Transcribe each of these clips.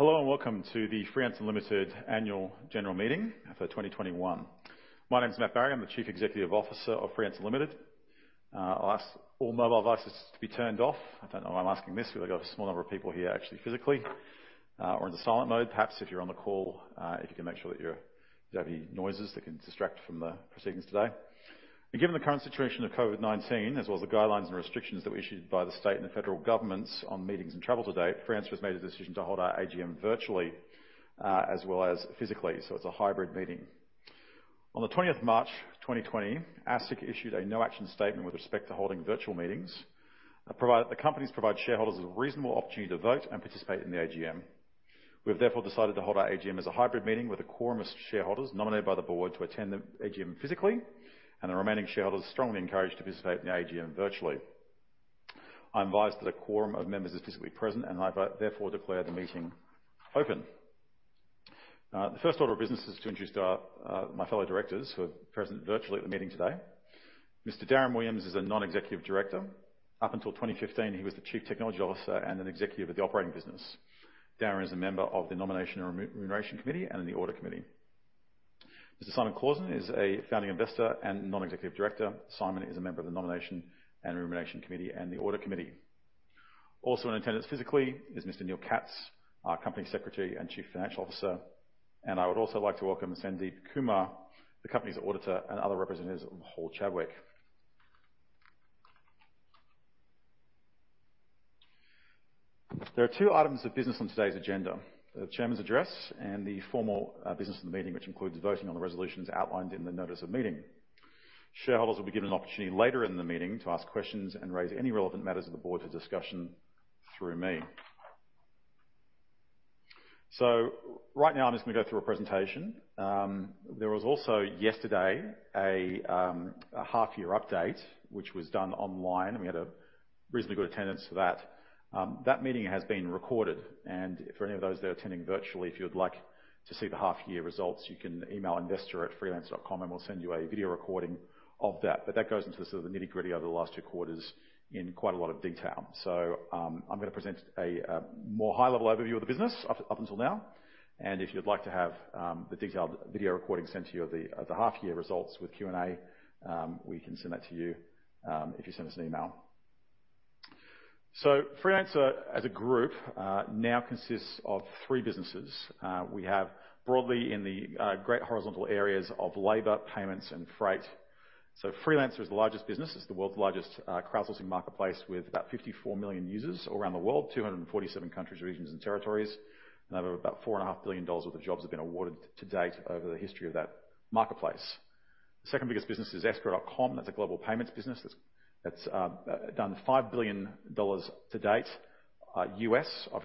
Hello, and welcome to the Freelancer Limited Annual General Meeting for 2021. My name is Matt Barrie. I'm the Chief Executive Officer of Freelancer Limited. I'll ask all mobile devices to be turned off. I don't know why I'm asking this because we've got a small number of people here actually physically or into silent mode. Perhaps if you're on the call, if you can make sure that you don't have any noises that can distract from the proceedings today. Given the current situation of COVID-19, as well as the guidelines and restrictions that were issued by the state and the federal governments on meetings and travel to date, Freelancer has made a decision to hold our AGM virtually, as well as physically. It's a hybrid meeting. On the March, 20 2020, ASIC issued a no action statement with respect to holding virtual meetings, provided the companies provide shareholders with a reasonable opportunity to vote and participate in the AGM. We have therefore decided to hold our AGM as a hybrid meeting with a quorum of shareholders nominated by the Board to attend the AGM physically, and the remaining shareholders strongly encouraged to participate in the AGM virtually. I'm advised that a quorum of members is physically present, and I therefore declare the meeting open. The first order of business is to introduce my fellow directors who are present virtually at the meeting today. Mr. Darren Williams is a Non-Executive Director. Up until 2015, he was the Chief Technology Officer and an Executive of the Operating Business. Darren is a member of the Nomination and Remuneration Committee and the Audit Committee. Mr. Simon Clausen is a founding investor and Non-Executive Director. Simon is a member of the Nomination and Remuneration Committee and the Audit Committee. Also in attendance physically is Mr. Neil Katz, our Company Secretary and Chief Financial Officer. I would also like to welcome Sandeep Kumar, the company's Auditor, and other representatives of Hall Chadwick. There are two items of business on today's agenda, the chairman's address and the formal business of the meeting, which includes voting on the resolutions outlined in the notice of meeting. Shareholders will be given an opportunity later in the meeting to ask questions and raise any relevant matters of the board for discussion through me. Right now, I'm just going to go through a presentation. There was also yesterday a half-year update, which was done online. We had a reasonably good attendance for that. That meeting has been recorded. For any of those that are attending virtually, if you'd like to see the half-year results, you can email investor@freelancer.com and we'll send you a video recording of that. That goes into the sort of the nitty-gritty over the last two quarters in quite a lot of detail. I'm going to present a more high-level overview of the business up until now. If you'd like to have the detailed video recording sent to you of the half-year results with Q&A, we can send that to you if you send us an email. Freelancer as a group now consists of three businesses. We have broadly in the great horizontal areas of labor, payments, and freight. Freelancer is the largest business. It's the world's largest crowdsourcing marketplace with about 54 million users all around the world, 247 countries, regions, and territories. Over about $4.5 billion worth of jobs have been awarded to date over the history of that marketplace. The second biggest business is Escrow.com. That is a global payments business that has done $5 billion of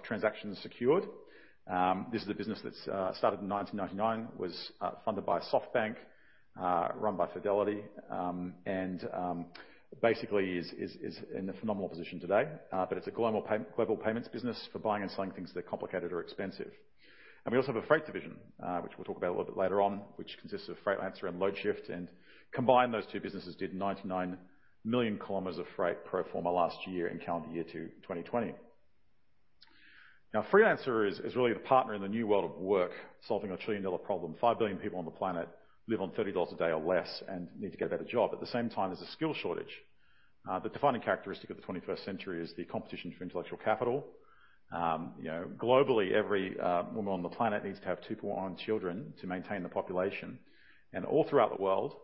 transactions secured. This is a business that started in 1999, was funded by SoftBank, run by Fidelity, and basically is in a phenomenal position today. It's a global payments business for buying and selling things that are complicated or expensive. We also have a freight division, which we'll talk about a little bit later on, which consists of Freightlancer and Loadshift. Combined, those two businesses did 99 million km of freight pro forma last year in calendar year 2020. Freelancer is really the partner in the new world of work, solving a trillion-dollar problem. 5 billion people on the planet live on $30 a day or less and need to get a better job. There's a skill shortage. The defining characteristic of the 21st century is the competition for intellectual capital. Globally, every woman on the planet needs to have 2.1 children to maintain the population. All throughout the world,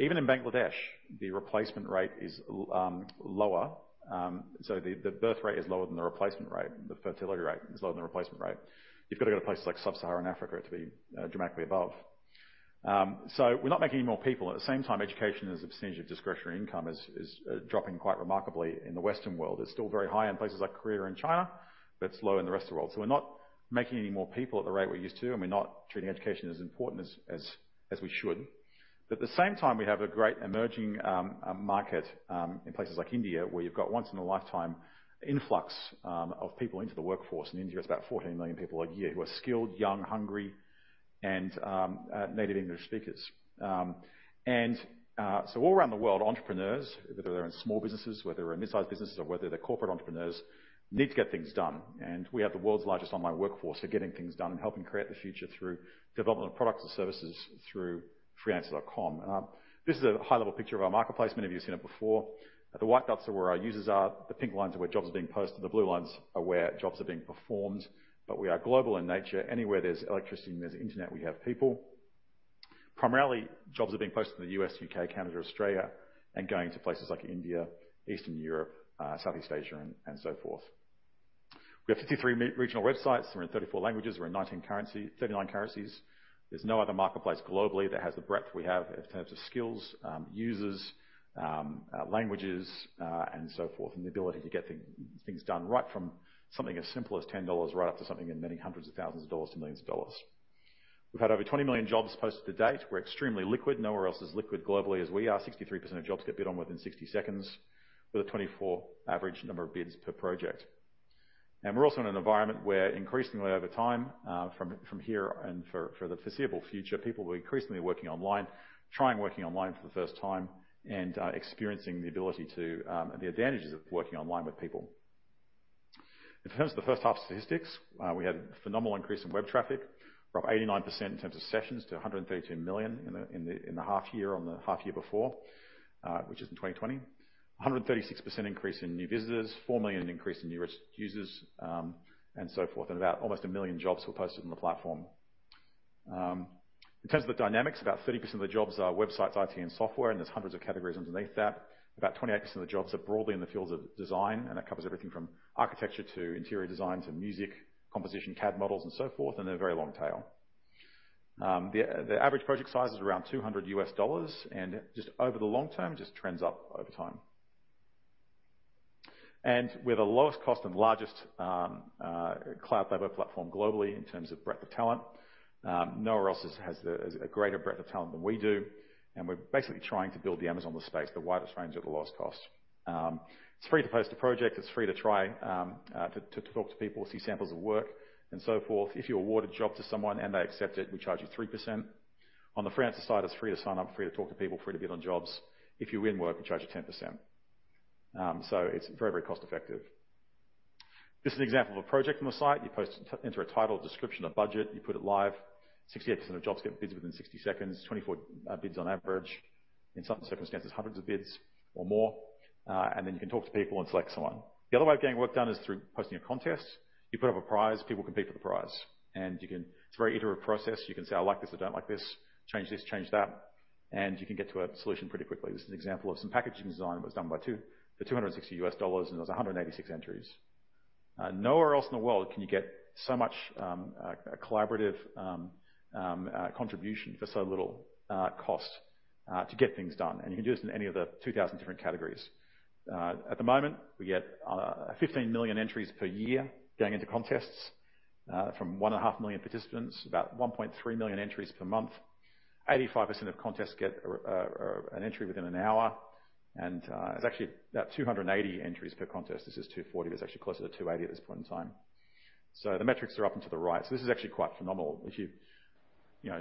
even in Bangladesh, the replacement rate is lower. The birth rate is lower than the replacement rate. The fertility rate is lower than the replacement rate. You've got to go to places like Sub-Saharan Africa to be dramatically above. We're not making any more people. Education as a percentage of discretionary income is dropping quite remarkably in the Western world. It's still very high in places like Korea and China, but it's low in the rest of the world. We're not making any more people at the rate we used to, and we're not treating education as important as we should. At the same time, we have a great emerging market in places like India, where you've got once in a lifetime influx of people into the workforce. India has about 14 million people a year who are skilled, young, hungry, and native English speakers. All around the world, entrepreneurs, whether they're in small businesses, whether they're in mid-sized businesses, or whether they're corporate entrepreneurs, need to get things done. We have the world's largest online workforce for getting things done and helping create the future through development of products and services through freelancer.com. This is a high-level picture of our marketplace. Many of you have seen it before. The white dots are where our users are. The pink lines are where jobs are being posted. The blue lines are where jobs are being performed. We are global in nature. Anywhere there's electricity and there's internet, we have people. Primarily, jobs are being posted in the U.S., U.K., Canada, Australia, and going to places like India, Eastern Europe, Southeast Asia, and so forth. We have 53 regional websites. We're in 34 languages. We're in 39 currencies. There's no other marketplace globally that has the breadth we have in terms of skills, users, languages, and so forth, and the ability to get things done right from something as simple as $10 right up to something in many hundreds of thousands of dollars to millions of dollars. We've had over 20 million jobs posted to date. We're extremely liquid. Nowhere else is liquid globally as we are. 63% of jobs get bid on within 60 seconds with a 24 average number of bids per project. We're also in an environment where increasingly over time from here and for the foreseeable future, people will increasingly working online, trying working online for the first time and experiencing the ability to and the advantages of working online with people. In terms of the first half statistics, we had a phenomenal increase in web traffic, up 89% in terms of sessions to 132 million in the half year on the half year before, which is in 2020. 136% increase in new visitors, four million increase in new users, and so forth, and about almost a million jobs were posted on the platform. In terms of the dynamics, about 30% of the jobs are websites, IT, and software, and there's hundreds of categories underneath that. About 28% of the jobs are broadly in the fields of design, and that covers everything from architecture to interior design to music composition, CAD models, and so forth, and they're very long tail. The average project size is around $200 and just over the long term, just trends up over time. We're the lowest cost and largest cloud labor platform globally in terms of breadth of talent. Nowhere else has a greater breadth of talent than we do, and we're basically trying to build the Amazon of the space, the widest range at the lowest cost. It's free to post a project. It's free to try to talk to people, see samples of work, and so forth. If you award a job to someone and they accept it, we charge you 3%. On the Freelancer side, it's free to sign up, free to talk to people, free to bid on jobs. If you win work, we charge you 10%. It's very cost effective. This is an example of a project on the site. You enter a title, description, a budget. You put it live. 68% of jobs get bids within 60 seconds, 24 bids on average. In some circumstances, hundreds of bids or more. You can talk to people and select someone. The other way of getting work done is through posting a contest. You put up a prize, people compete for the prize. It's a very iterative process. You can say, I like this, I don't like this, change this, change that, and you can get to a solution pretty quickly. This is an example of some packaging design that was done by two for $260, and there was 186 entries. Nowhere else in the world can you get so much collaborative contribution for so little cost to get things done. You can do this in any of the 2,000 different categories. At the moment, we get 15 million entries per year going into contests, from 1.5 million participants, about 1.3 million entries per month. 85% of contests get an entry within an hour. It's actually about 280 entries per contest. This says 240, it's actually closer to 280 at this point in time. The metrics are up and to the right. This is actually quite phenomenal. If you've never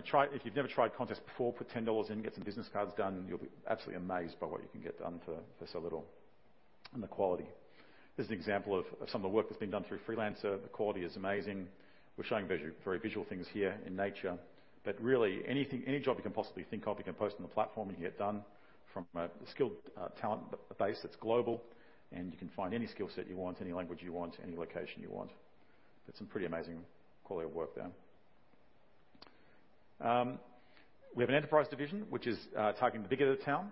tried contests before, put $10 in, get some business cards done. You'll be absolutely amazed by what you can get done for so little and the quality. This is an example of some of the work that's been done through Freelancer. The quality is amazing. We're showing very visual things here in nature, but really any job you can possibly think of, you can post on the platform and you can get done from a skilled talent base that's global, and you can find any skill set you want, any language you want, any location you want. That's some pretty amazing quality of work there. We have an enterprise division, which is targeting the bigger town.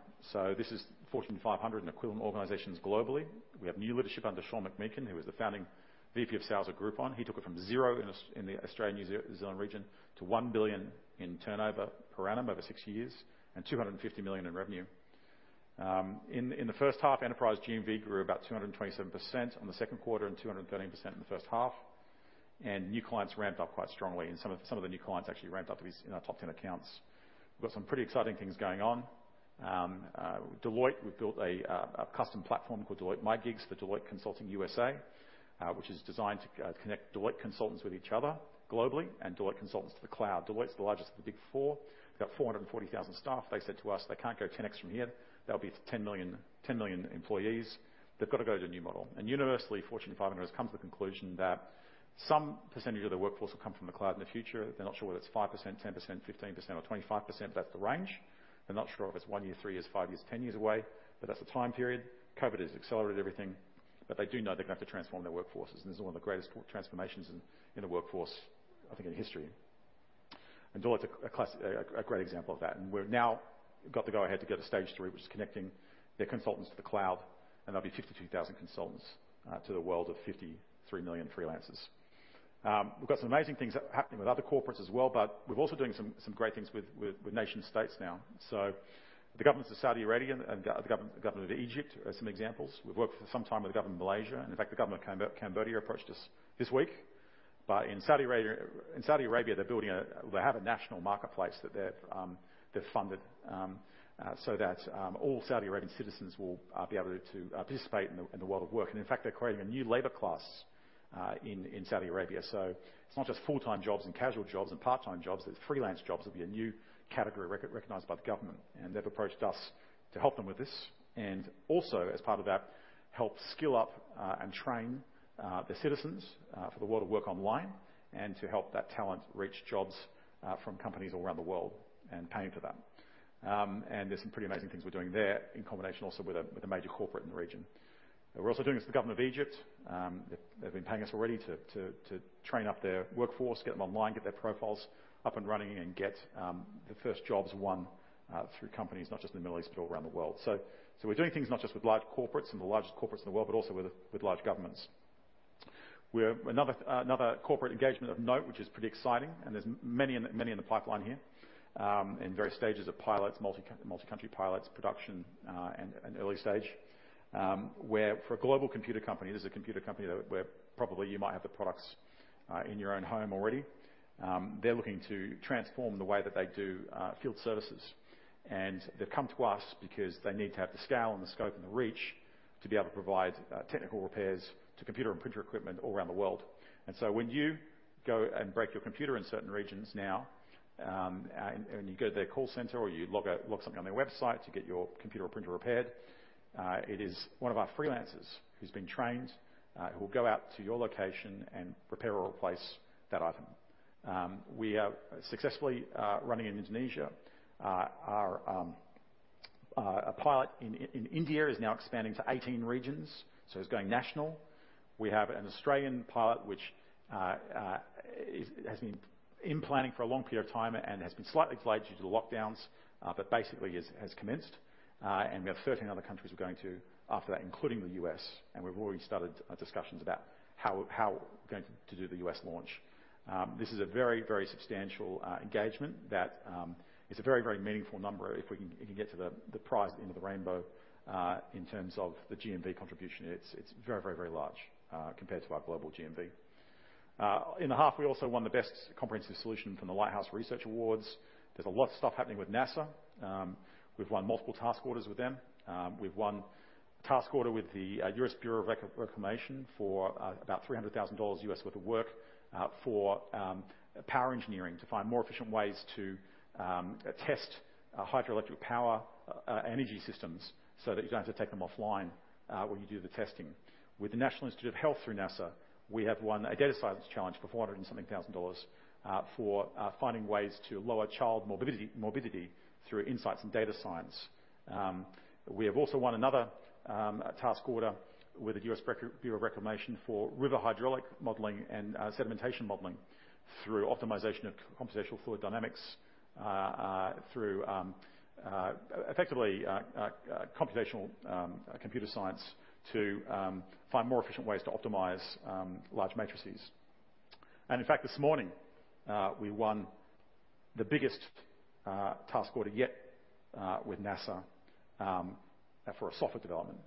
This is Fortune 500 and equivalent organizations globally. We have new leadership under [Sean McMeekin], who was the founding VP of sales at Groupon. He took it from zero in the Australia, New Zealand region to 1 billion in turnover per annum over six years and 250 million in revenue. In the first half, enterprise GMV grew about 227% on the second quarter and 213% in the first half. New clients ramped up quite strongly, and some of the new clients actually ramped up to be in our top 10 accounts. We've got some pretty exciting things going on. Deloitte, we've built a custom platform called Deloitte MyGigs for Deloitte Consulting U.S.A., which is designed to connect Deloitte consultants with each other globally and Deloitte consultants to the cloud. Deloitte's the largest of the Big Four. They've got 440,000 staff. They said to us they can't go 10x from here. That'll be 10 million employees. They've got to go to a new model. Universally, Fortune 500 has come to the conclusion that some percentage of their workforce will come from the cloud in the future. They're not sure whether it's 5%, 10%, 15%, or 25%, but that's the range. They're not sure if it's one year, three years, five years, 10 years away, but that's the time period. COVID has accelerated everything, they do know they're going to have to transform their workforces, and this is one of the greatest transformations in the workforce, I think, in history. Deloitte's a great example of that. We've now got the go ahead to go to stage 3, which is connecting their consultants to the cloud, and that'll be 52,000 consultants to the world of 53 million freelancers. We've got some amazing things happening with other corporates as well, we're also doing some great things with nation-states now. The governments of Saudi Arabia and the Government of Egypt are some examples. We've worked for some time with the Government of Malaysia, and in fact, the Government of Cambodia approached us this week. In Saudi Arabia, they have a national marketplace that they've funded so that all Saudi Arabian citizens will be able to participate in the world of work. In fact, they're creating a new labor class in Saudi Arabia. It's not just full-time jobs and casual jobs and part-time jobs. It's freelance jobs that will be a new category recognized by the government. They've approached us to help them with this, and also as part of that, help skill up and train their citizens for the world of work online and to help that talent reach jobs from companies all around the world and paying for that. There's some pretty amazing things we're doing there in combination also with a major corporate in the region. We're also doing this with the government of Egypt. They've been paying us already to train up their workforce, get them online, get their profiles up and running, and get the first jobs won through companies, not just in the Middle East, but all around the world. We're doing things not just with large corporates and the largest corporates in the world, but also with large governments. Another corporate engagement of note, which is pretty exciting, and there's many in the pipeline here in various stages of pilots, multi-country pilots, production, and early stage, for a global computer company. This is a computer company that where probably you might have the products in your own home already. They're looking to transform the way that they do field services. They've come to us because they need to have the scale and the scope and the reach to be able to provide technical repairs to computer and printer equipment all around the world. When you go and break your computer in certain regions now, and you go to their call center or you log something on their website to get your computer or printer repaired. It is one of our Freelancers who's been trained, who will go out to your location and repair or replace that item. We are successfully running in Indonesia. Our pilot in India is now expanding to 18 regions, so it's going national. We have an Australian pilot, which has been in planning for a long period of time and has been slightly delayed due to the lockdowns, but basically has commenced. We have 13 other countries we're going to after that, including the U.S., and we've already started discussions about how we're going to do the U.S. launch. This is a very, very substantial engagement that is a very, very meaningful number if we can get to the prize at the end of the rainbow, in terms of the GMV contribution, it's very large compared to our global GMV. In the half, we also won the Best Comprehensive Solution from the Lighthouse Research Awards. There's a lot of stuff happening with NASA. We've won multiple task orders with them. We've won a task order with the U.S. Bureau of Reclamation for about $300,000 worth of work for power engineering, to find more efficient ways to test hydroelectric power energy systems so that you don't have to take them offline when you do the testing. With the National Institutes of Health through NASA, we have won a data science challenge for $400 and something thousand for finding ways to lower child morbidity through insights and data science. We have also won another task order with the U.S. Bureau of Reclamation for river hydraulic modeling and sedimentation modeling through optimization of computational fluid dynamics, through effectively computational computer science to find more efficient ways to optimize large matrices. In fact, this morning, we won the biggest task order yet with NASA for a software development.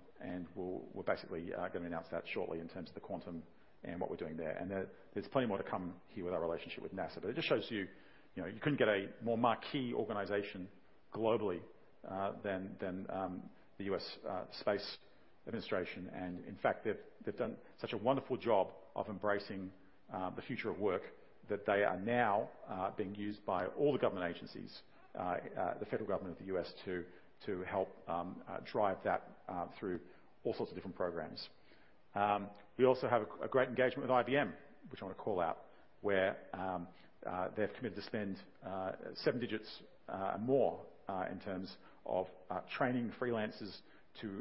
We're basically going to announce that shortly in terms of the quantum and what we're doing there. There's plenty more to come here with our relationship with NASA. It just shows you couldn't get a more marquee organization globally than the U.S. Space Administration. In fact, they've done such a wonderful job of embracing the future of work that they are now being used by all the government agencies, the federal government of the U.S., to help drive that through all sorts of different programs. We also have a great engagement with IBM, which I want to call out, where they've committed to spend seven digits or more in terms of training freelancers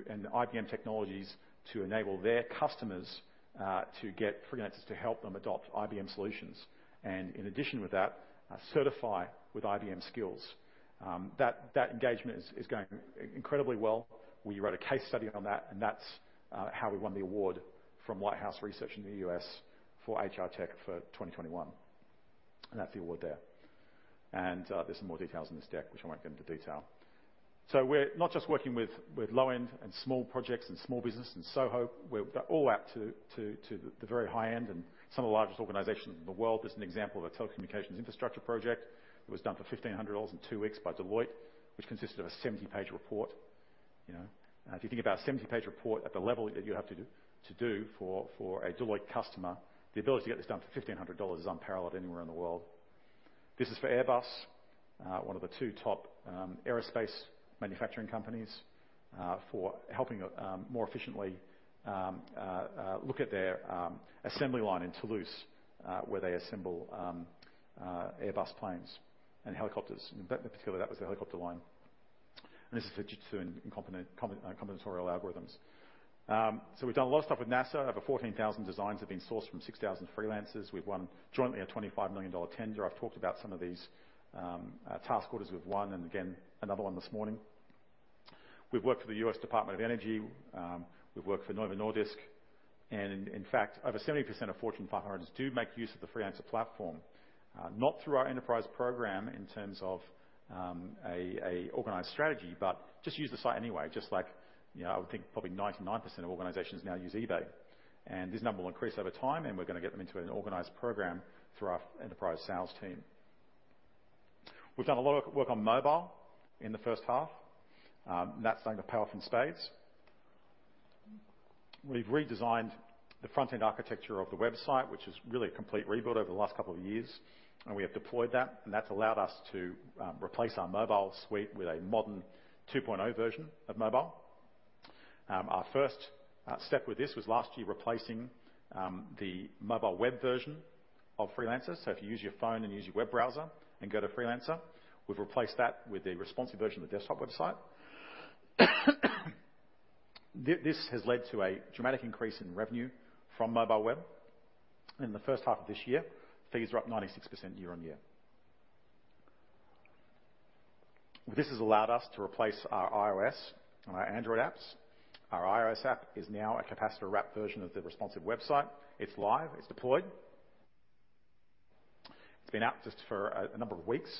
and IBM technologies to enable their customers to get freelancers to help them adopt IBM solutions. In addition with that, certify with IBM skills. That engagement is going incredibly well. We wrote a case study on that. That's how we won the award from White House Research in the U.S. for HR Tech for 2021. That's the award there. There's some more details on this deck, which I won't get into detail. We're not just working with low-end and small projects and small business and SOHO. We're all out to the very high-end and some of the largest organizations in the world. This is an example of a telecommunications infrastructure project that was done for $1,500 in 2 weeks by Deloitte, which consisted of a 70-page report. If you think about a 70-page report at the level that you have to do for a Deloitte customer, the ability to get this done for $1,500 is unparalleled anywhere in the world. This is for Airbus, one of the two top aerospace manufacturing companies, for helping more efficiently look at their assembly line in Toulouse, where they assemble Airbus planes and helicopters. In particular, that was the helicopter line. This is for Fujitsu in combinatorial algorithms. We've done a lot of stuff with NASA. Over 14,000 designs have been sourced from 6,000 freelancers. We've won jointly a $25 million tender. I've talked about some of these task orders we've won, and again, another one this morning. We've worked for the U.S. Department of Energy. We've worked for Novo Nordisk. In fact, over 70% of Fortune 500s do make use of the Freelancer platform. Not through our enterprise program in terms of an organized strategy, but just use the site anyway. Just like, I would think probably 99% of organizations now use eBay. This number will increase over time, and we're going to get them into an organized program through our enterprise sales team. We've done a lot of work on mobile in the first half. That's starting to pay off in spades. We've redesigned the front-end architecture of the website, which is really a complete rebuild over the last couple of years, and we have deployed that. That's allowed us to replace our mobile suite with a modern 2.0 version of mobile. Our first step with this was last year replacing the mobile web version of Freelancer. If you use your phone and use your web browser and go to Freelancer, we've replaced that with a responsive version of the desktop website. This has led to a dramatic increase in revenue from mobile web. In the first half of this year, figures are up 96% year-on-year. This has allowed us to replace our iOS and our Android apps. Our iOS app is now a Capacitor-wrapped version of the responsive website. It's live. It's deployed. It's been out just for a number of weeks.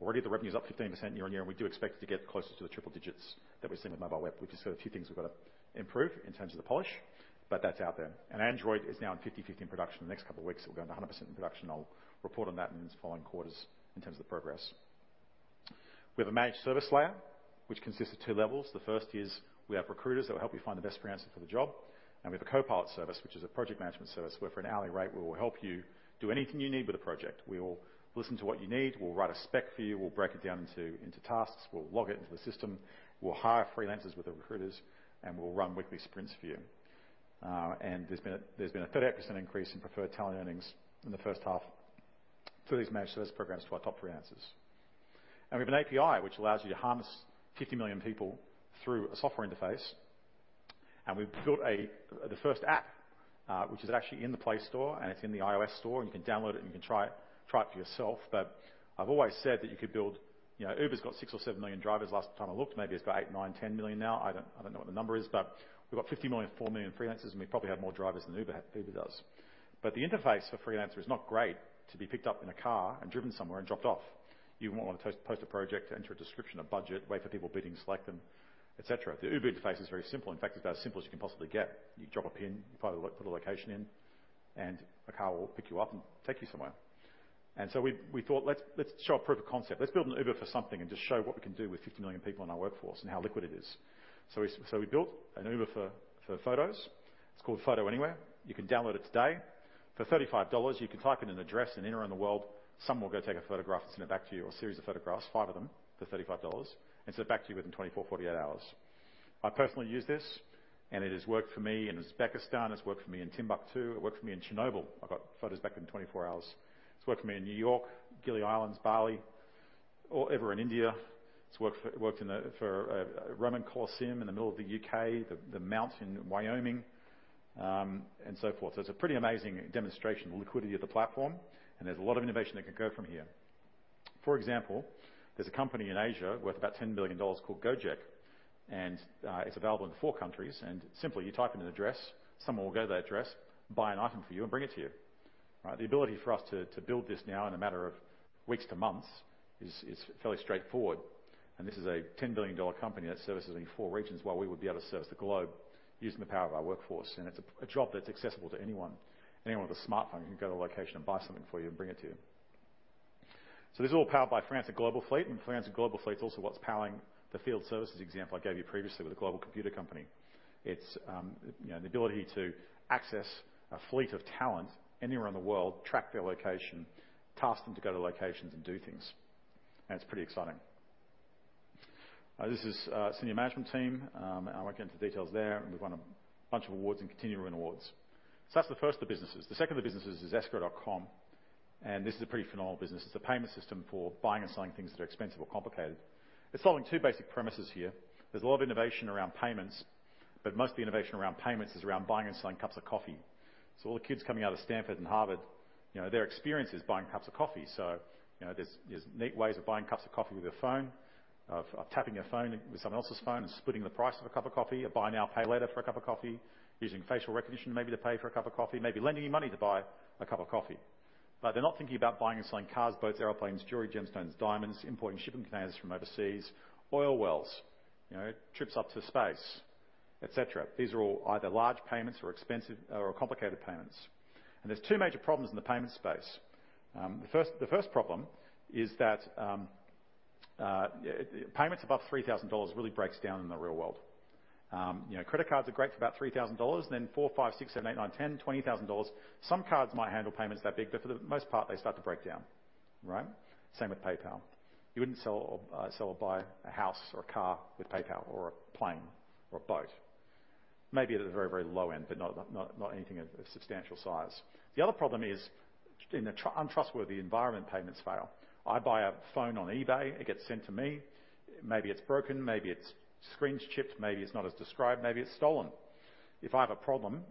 Already, the revenue's up 15% year-on-year, and we do expect it to get closer to the triple digits that we've seen with mobile web. We've just got a few things we've got to improve in terms of the polish, but that's out there. Android is now in 50/50 in production. In the next couple of weeks, it will go into 100% in production. I'll report on that in these following quarters in terms of progress. We have a managed service layer, which consists of two levels. The first is we have recruiters that will help you find the best freelancer for the job. We have a copilot service, which is a project management service where for an hourly rate, we will help you do anything you need with a project. We will listen to what you need. We'll write a spec for you. We'll break it down into tasks. We'll log it into the system. We'll hire freelancers with the recruiters, and we'll run weekly sprints for you. There's been a 38% increase in preferred talent earnings in the first half through these managed service programs to our top freelancers. We have an API, which allows you to harness 50 million people through a software interface. We've built the first app, which is actually in the Play Store, and it's in the iOS store, and you can download it, and you can try it for yourself. I've always said that Uber's got 6 drivers or 7 million drivers last time I looked, maybe it's got 8, 9, 10 million drivers now. I don't know what the number is, but we've got 50 million, 4 million freelancers, and we probably have more drivers than Uber does. The interface for Freelancer is not great to be picked up in a car and driven somewhere and dropped off. You want to post a project, enter a description, a budget, wait for people bidding, select them, et cetera. The Uber interface is very simple. In fact, it's about as simple as you can possibly get. You drop a pin, you put a location in, and a car will pick you up and take you somewhere. We thought, let's show a proof of concept. Let's build an Uber for something and just show what we can do with 50 million people in our workforce and how liquid it is. We built an Uber for photos. It's called Photo Anywhere. You can download it today. For $35, you can type in an address anywhere in the world. Someone will go take a photograph and send it back to you, or a series of photographs, 5 of them for $35, and send it back to you within 24 hours-48 hours. I personally use this, and it has worked for me in Uzbekistan. It's worked for me in Timbuktu. It worked for me in Chernobyl. I got photos back in 24 hours. It's worked for me in New York, Gili Islands, Bali, or ever in India. It's worked for Roman Colosseum in the middle of the U.K., the mountain Wyoming, and so forth. It's a pretty amazing demonstration of the liquidity of the platform, and there's a lot of innovation that can go from here. For example, there's a company in Asia worth about $10 billion called Gojek, and it's available in four countries. Simply, you type in an address, someone will go to that address, buy an item for you, and bring it to you. Right? The ability for us to build this now in a matter of weeks to months is fairly straightforward. This is a $10 billion company that services in four regions, while we would be able to service the globe using the power of our workforce. It's a job that's accessible to anyone. Anyone with a smartphone can go to a location and buy something for you and bring it to you. This is all powered by Freelancer Global Fleet. Freelancer Global Fleet is also what's powering the field services example I gave you previously with the global computer company. It's the ability to access a fleet of talent anywhere in the world, track their location, task them to go to locations and do things. It's pretty exciting. This is senior management team. I won't get into details there. We've won a bunch of awards and continue to win awards. That's the first of the businesses. The second of the businesses is Escrow.com. This is a pretty phenomenal business. It's a payment system for buying and selling things that are expensive or complicated. It's solving two basic premises here. There's a lot of innovation around payments, but most of the innovation around payments is around buying and selling cups of coffee. All the kids coming out of Stanford and Harvard, their experience is buying cups of coffee. There's neat ways of buying cups of coffee with your phone, of tapping your phone with someone else's phone and splitting the price of a cup of coffee, or buy now, pay later for a cup of coffee, using facial recognition maybe to pay for a cup of coffee, maybe lending you money to buy a cup of coffee. They're not thinking about buying and selling cars, boats, airplanes, jewelry, gemstones, diamonds, importing shipping containers from overseas, oil wells, trips up to space, et cetera. These are all either large payments or expensive or complicated payments. There's two major problems in the payment space. The first problem is that payments above $3,000 really breaks down in the real world. Credit cards are great for about $3,000, and then $4, $5, $6, $7, $8, $9, $10, $20,000. Some cards might handle payments that big, but for the most part, they start to break down, right? Same with PayPal. You wouldn't sell or buy a house or a car with PayPal or a plane or a boat. Maybe at the very, very low end. Not anything of a substantial size. The other problem is in the untrustworthy environment, payments fail. I buy a phone on eBay, it gets sent to me. Maybe it's broken, maybe its screen's chipped, maybe it's not as described, maybe it's stolen. If I have a problem,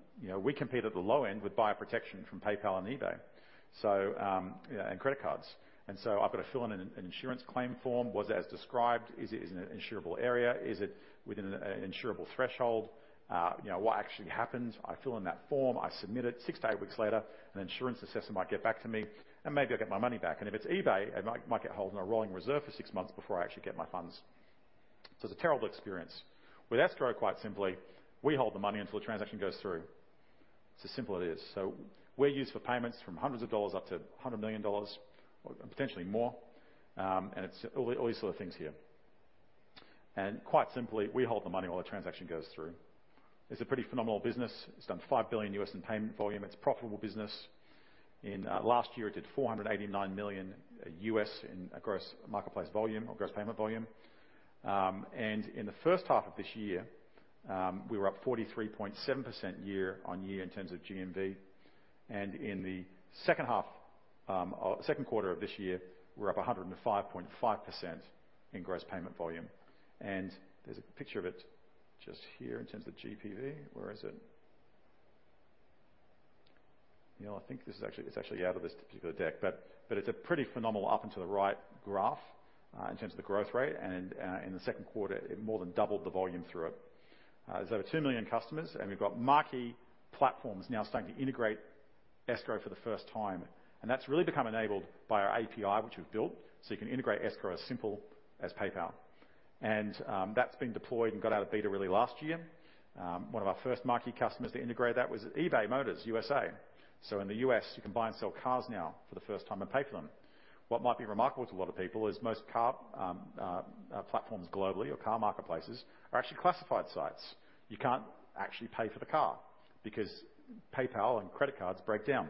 we compete at the low end with buyer protection from PayPal and eBay and credit cards. I've got to fill in an insurance claim form. Was it as described? Is it in an insurable area? Is it within an insurable threshold? What actually happened? I fill in that form, I submit it. Six weeks-eight weeks later, an insurance assessor might get back to me, and maybe I'll get my money back. If it's eBay, I might get hold in a rolling reserve for six months before I actually get my funds. It's a terrible experience. With Escrow, quite simply, we hold the money until the transaction goes through. It's as simple as it is. We're used for payments from hundreds of dollars up to $100 million, potentially more. It's all these sort of things here. Quite simply, we hold the money while the transaction goes through. It's a pretty phenomenal business. It's done $5 billion in payment volume. It's profitable business. In last year, it did $489 million in gross marketplace volume or gross payment volume. In the first half of this year, we were up 43.7% year-on-year in terms of GMV. In the second quarter of this year, we're up 105.5% in gross payment volume. There's a picture of it just here in terms of GPV. Where is it? I think it's actually out of this particular deck, but it's a pretty phenomenal up-and-to-the-right graph in terms of the growth rate. In the second quarter, it more than doubled the volume through it. There's over two million customers, and we've got marquee platforms now starting to integrate Escrow for the first time. That's really become enabled by our API, which we've built. You can integrate Escrow as simple as PayPal. That's been deployed and got out of beta really last year. One of our first marquee customers to integrate that was eBay Motors USA. In the U.S., you can buy and sell cars now for the first time and pay for them. What might be remarkable to a lot of people is most car platforms globally or car marketplaces are actually classified sites. You can't actually pay for the car because PayPal and credit cards break down.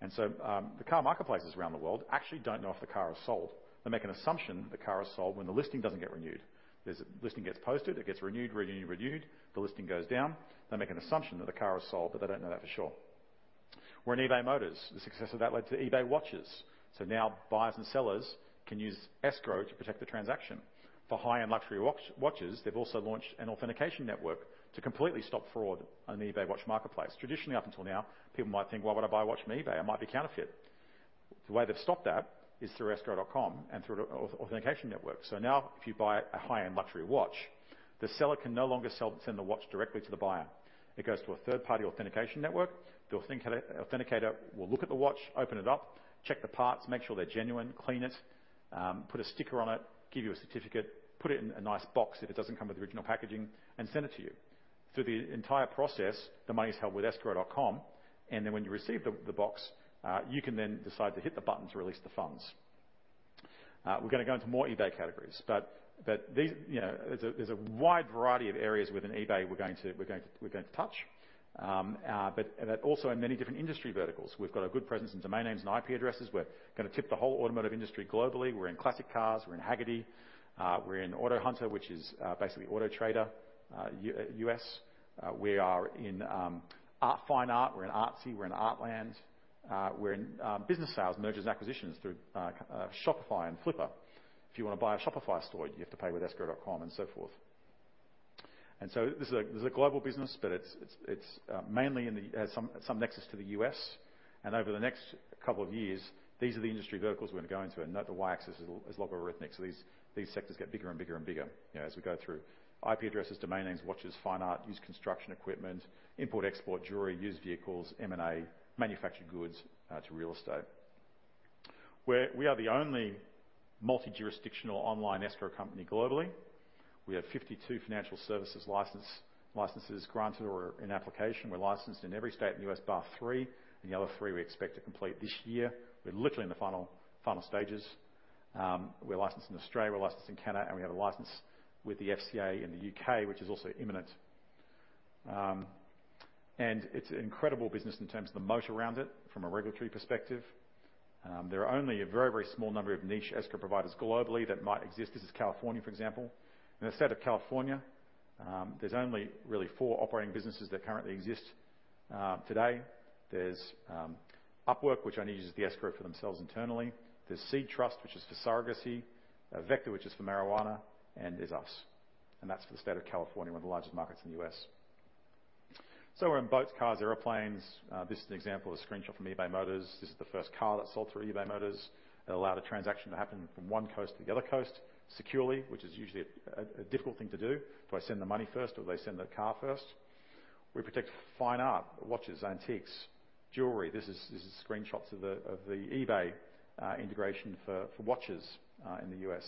The car marketplaces around the world actually don't know if the car is sold. They make an assumption that the car is sold when the listing doesn't get renewed. There's a listing gets posted, it gets renewed. The listing goes down. They make an assumption that the car is sold, but they don't know that for sure. We're in eBay Motors. The success of that led to eBay watches. Now buyers and sellers can use escrow to protect the transaction. For high-end luxury watches, they've also launched an authentication network to completely stop fraud on the eBay watch marketplace. Traditionally, up until now, people might think, why would I buy a watch from eBay? It might be counterfeit. The way they've stopped that is through Escrow.com and through an authentication network. Now, if you buy a high-end luxury watch, the seller can no longer sell and send the watch directly to the buyer. It goes to a third-party authentication network. The authenticator will look at the watch, open it up, check the parts, make sure they're genuine, clean it, put a sticker on it, give you a certificate, put it in a nice box if it doesn't come with the original packaging, and send it to you. Through the entire process, the money is held with Escrow.com, and then when you receive the box, you can then decide to hit the button to release the funds. We're going to go into more eBay categories. There's a wide variety of areas within eBay we're going to touch. Also in many different industry verticals. We've got a good presence in domain names and IP addresses. We're going to tip the whole automotive industry globally. We're in Classic Cars. We're in Hagerty. We're in AutoHunter, which is basically AutoTrader U.S. We are in fine art. We're in Artsy. We're in Artland. We're in business sales, mergers, and acquisitions through Shopify and Flippa. If you want to buy a Shopify store, you have to pay with escrow.com and so forth. This is a global business, but it's mainly in some nexus to the U.S. Over the next couple of years, these are the industry verticals we're going to go into. Note the Y-axis is logarithmic, so these sectors get bigger and bigger and bigger as we go through. IP addresses, domain names, watches, fine art, used construction equipment, import-export, jewelry, used vehicles, M&A, manufactured goods, to real estate. We are the only multi-jurisdictional online Escrow.com company globally. We have 52 financial services licenses granted or in application. We're licensed in every state in the U.S. bar three, the other three we expect to complete this year. We're literally in the final stages. We're licensed in Australia, we're licensed in Canada, we have a license with the FCA in the U.K., which is also imminent. It's an incredible business in terms of the moat around it from a regulatory perspective. There are only a very small number of niche escrow providers globally that might exist. This is California, for example. In the state of California, there's only really four operating businesses that currently exist today. There's Upwork, which only uses the escrow for themselves internally. There's SeedTrust, which is for surrogacy. Vecta, which is for marijuana, and there's us. That's for the state of California, one of the largest markets in the U.S. We're in boats, cars, airplanes. This is an example of a screenshot from eBay Motors. This is the first car that sold through eBay Motors. It allowed a transaction to happen from one coast to the other coast securely, which is usually a difficult thing to do. Do I send the money first, or do they send the car first? We protect fine art, watches, antiques, jewelry. This is screenshots of the eBay integration for watches in the U.S.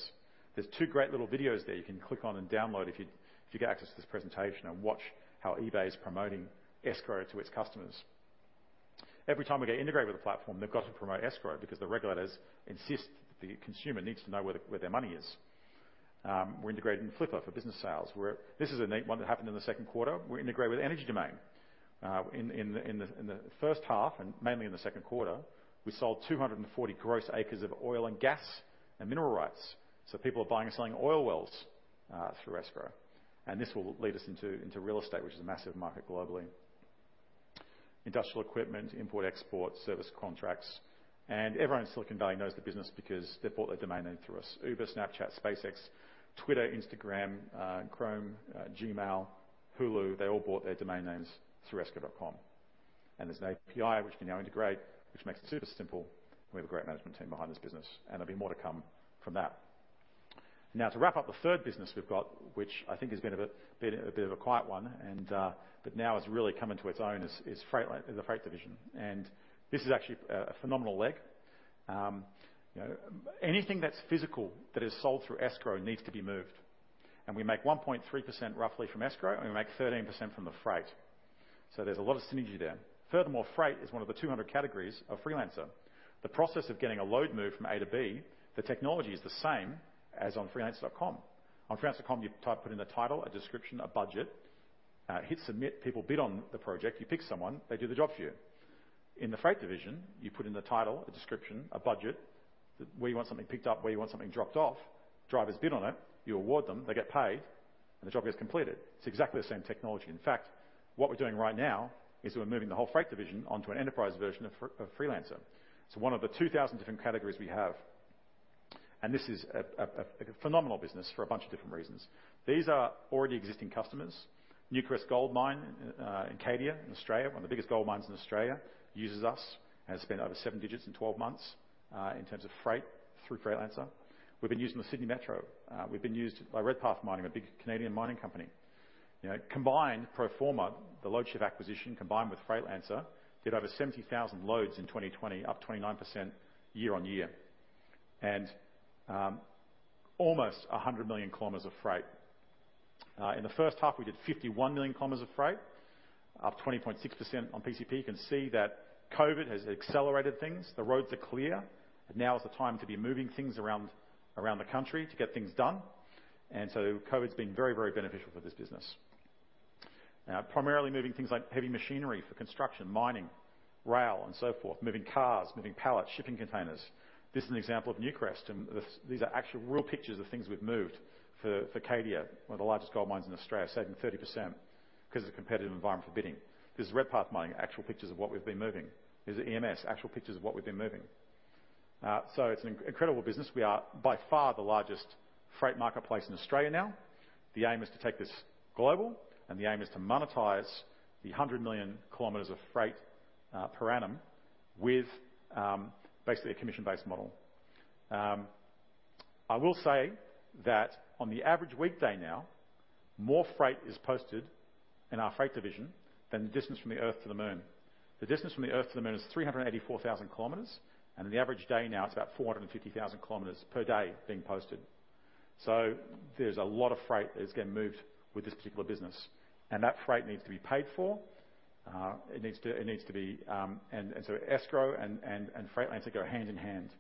There's two great little videos there you can click on and download if you get access to this presentation and watch how eBay is promoting escrow to its customers. Every time we get integrated with a platform, they've got to promote escrow because the regulators insist that the consumer needs to know where their money is. We're integrated in Flippa for business sales. This is a neat one that happened in the second quarter. We're integrated with Energy Domain. In the first half and mainly in the second quarter, we sold 240 gross acres of oil and gas and mineral rights. People are buying and selling oil wells through escrow. This will lead us into real estate, which is a massive market globally. Industrial equipment, import-export, service contracts. Everyone in Silicon Valley knows the business because they bought their domain name through us. Uber, Snapchat, SpaceX, Twitter, Instagram, Chrome, Gmail, Hulu, they all bought their domain names through escrow.com. There's an API which can now integrate, which makes it super simple, and we have a great management team behind this business, and there'll be more to come from that. To wrap up the third business we've got, which I think has been a bit of a quiet one, but now has really come into its own, is the freight division. This is actually a phenomenal leg. Anything that's physical that is sold through escrow needs to be moved. We make 1.3% roughly from escrow, and we make 13% from the freight. There's a lot of synergy there. Furthermore, freight is one of the 200 categories of Freelancer. The process of getting a load moved from A to B, the technology is the same as on freelancer.com. On Freelancer.com, you put in a title, a description, a budget, hit submit, people bid on the project, you pick someone, they do the job for you. In the freight division, you put in the title, a description, a budget, where you want something picked up, where you want something dropped off. Drivers bid on it, you award them, they get paid, the job gets completed. It's exactly the same technology. In fact, what we're doing right now is we're moving the whole freight division onto an enterprise version of Freelancer. It's one of the 2,000 different categories we have. This is a phenomenal business for a bunch of different reasons. These are already existing customers. Newcrest Mining in Cadia, in Australia, one of the biggest gold mines in Australia, uses us, has spent over seven digits in 12 months in terms of freight through Freightlancer. We've been used in the Sydney Metro. We've been used by Redpath Mining, a big Canadian mining company. Combined pro forma, the Loadshift acquisition, combined with Freightlancer, did over 70,000 loads in 2020, up 29% year on year, and almost 100 million km of freight. In the first half, we did 51 million km of freight, up 20.6% on PCP. You can see that COVID has accelerated things. The roads are clear, and now is the time to be moving things around the country to get things done. COVID's been very beneficial for this business. Primarily moving things like heavy machinery for construction, mining, rail, and so forth. Moving cars, moving pallets, shipping containers. This is an example of Newcrest. These are actual real pictures of things we've moved for Cadia, one of the largest gold mines in Australia, saving 30% because of the competitive environment for bidding. This is Redpath Mining, actual pictures of what we've been moving. This is EMS, actual pictures of what we've been moving. It's an incredible business. We are by far the largest freight marketplace in Australia now. The aim is to take this global. The aim is to monetize the 100 million km of freight per annum with basically a commission-based model. I will say that on the average weekday now, more freight is posted in our freight division than the distance from the Earth to the Moon. The distance from the Earth to the Moon is 384,000 km. In the average day now, it's about 450,000 km per day being posted. There is a lot of freight that is getting moved with this particular business, and that freight needs to be paid for. Escrow and Freightlancer go hand in hand.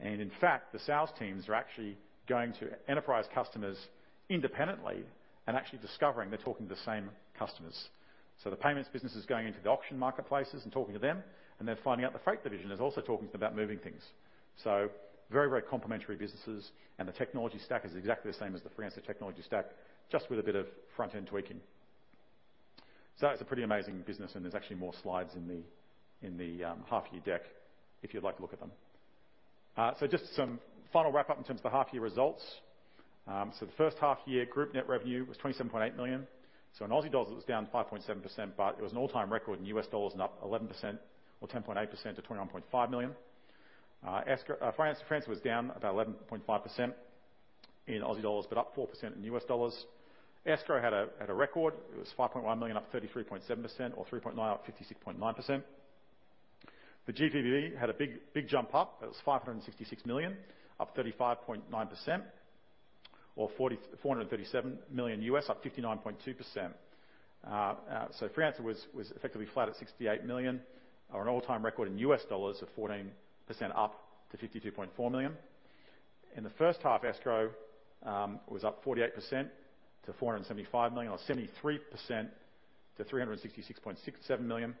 In fact, the sales teams are actually going to enterprise customers independently and actually discovering they are talking to the same customers. The payments business is going into the auction marketplaces and talking to them, and they are finding out the freight division is also talking to them about moving things. Very, very complementary businesses, and the technology stack is exactly the same as the Freelancer technology stack, just with a bit of front-end tweaking. It is a pretty amazing business, and there is actually more slides in the half-year deck if you would like to look at them. Just some final wrap-up in terms of the half-year results. The first half-year group net revenue was 27.8 million. In AUD, it was down 5.7%, but it was an all-time record in U.S. dollars and up 11% or 10.8% to $21.5 million. Freelancer was down about 11.5% in AUD, but up 4% in U.S. dollars. Escrow had a record. It was 5.1 million, up 33.7%, or 3.9 up 56.9%. The GPV had a big jump up. It was 566 million, up 35.9%, or $437 million, up 59.2%. Freelancer was effectively flat at 68 million or an all-time record in U.S. dollars of 14% up to $52.4 million. In the first half, Escrow was up 48% to 475 million or 73% to 366.67 million.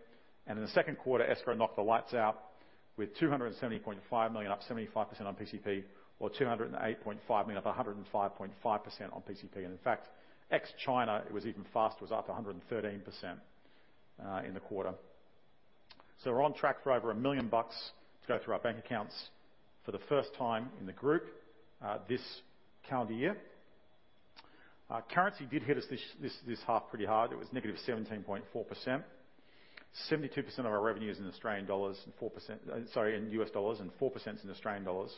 In the second quarter, Escrow knocked the lights out with 270.5 million, up 75% on PCP, or 208.5 million, up 105.5% on PCP. In fact, ex China, it was even faster. It was up 113% in the quarter. We're on track for over $1 million to go through our bank accounts for the first time in the group this calendar year. Currency did hit us this half pretty hard. It was negative 17.4%. 72% of our revenue is in Australian dollars and 4%-- Sorry, in U.S. dollars and 4% is in Australian dollars.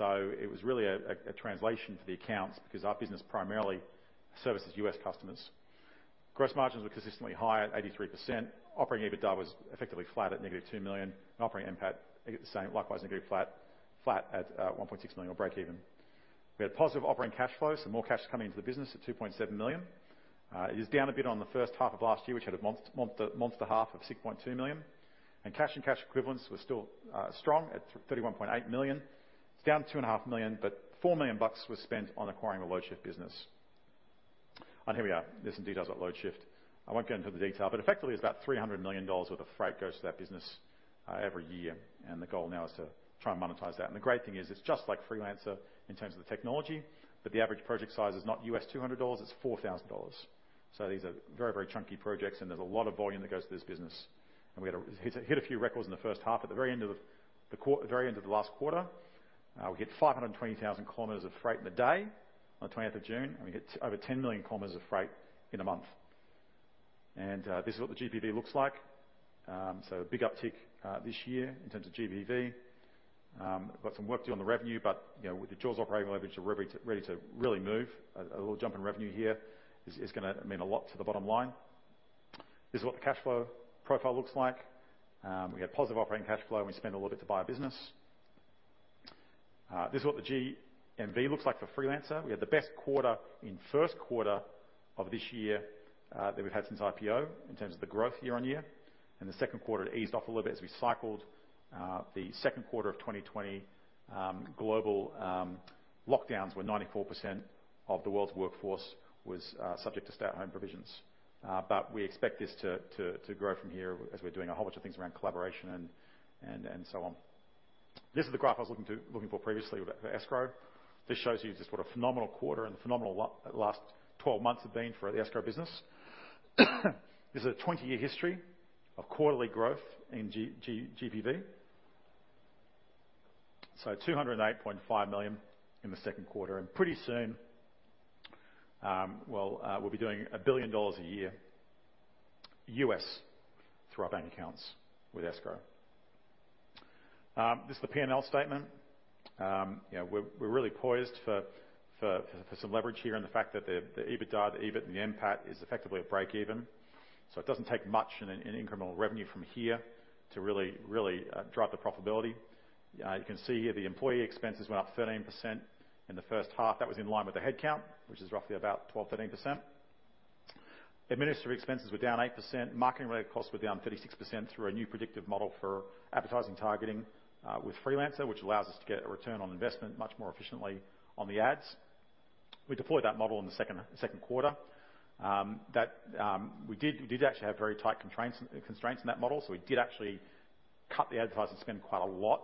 It was really a translation for the accounts because our business primarily services U.S. customers. Gross margins were consistently high at 83%. Operating EBITDA was effectively flat at negative 2 million, and operating NPAT, the same, likewise negative flat at 1.6 million or breakeven. We had positive operating cash flows, more cash coming into the business at 2.7 million. It is down a bit on the first half of last year, which had a monster half of 6.2 million. Cash and cash equivalents were still strong at 31.8 million. It's down 2.5 million, $4 million was spent on acquiring the Loadshift business. Here we are. This is details about Loadshift. I won't get into the detail, effectively it's about $300 million worth of freight goes to that business every year, the goal now is to try and monetize that. The great thing is it's just like Freelancer in terms of the technology, the average project size is not $200, it's $4,000. These are very, very chunky projects, there's a lot of volume that goes to this business. We hit a few records in the first half. At the very end of the last quarter, we hit 520,000 km of freight in a day on June 20, we hit over 10 million km of freight in a month. This is what the GPV looks like. A big uptick this year in terms of GPV. Got some work to do on the revenue, but with the jaws operating leverage ready to really move, a little jump in revenue here is gonna mean a lot to the bottom line. This is what the cash flow profile looks like. We had positive operating cash flow, and we spent a little bit to buy a business. This is what the GMV looks like for Freelancer. We had the best quarter in first quarter of this year that we've had since IPO in terms of the growth year-on-year. In the second quarter, it eased off a little bit as we cycled the second quarter of 2020 global lockdowns where 94% of the world's workforce was subject to stay-at-home provisions. We expect this to grow from here as we're doing a whole bunch of things around collaboration and so on. This is the graph I was looking for previously about Escrow. This shows you just what a phenomenal quarter and the phenomenal last 12 months have been for the Escrow business. This is a 20-year history of quarterly growth in GPV. 208.5 million in the second quarter. Pretty soon, we'll be doing $1 billion a year through our bank accounts with Escrow. This is the P&L statement. We're really poised for some leverage here in the fact that the EBITDA, the EBIT, and the NPAT is effectively a breakeven. It doesn't take much in incremental revenue from here to really drive the profitability. You can see here the employee expenses went up 13% in the first half. That was in line with the headcount, which is roughly about 12%, 13%. Administrative expenses were down 8%. Marketing-related costs were down 36% through a new predictive model for advertising targeting with Freelancer, which allows us to get a return on investment much more efficiently on the ads. We deployed that model in the second quarter. We did actually have very tight constraints in that model. We did actually cut the advertising spend quite a lot.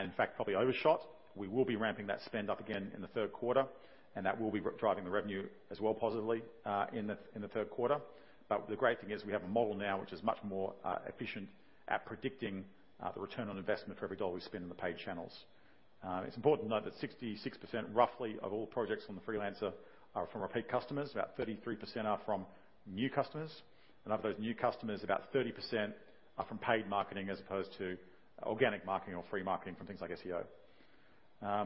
In fact, probably overshot. We will be ramping that spend up again in the third quarter, and that will be driving the revenue as well positively, in the third quarter. The great thing is we have a model now which is much more efficient at predicting the return on investment for every dollar we spend on the paid channels. It's important to note that 66%, roughly, of all projects on Freelancer are from repeat customers. About 33% are from new customers. Of those new customers, about 30% are from paid marketing as opposed to organic marketing or free marketing from things like SEO.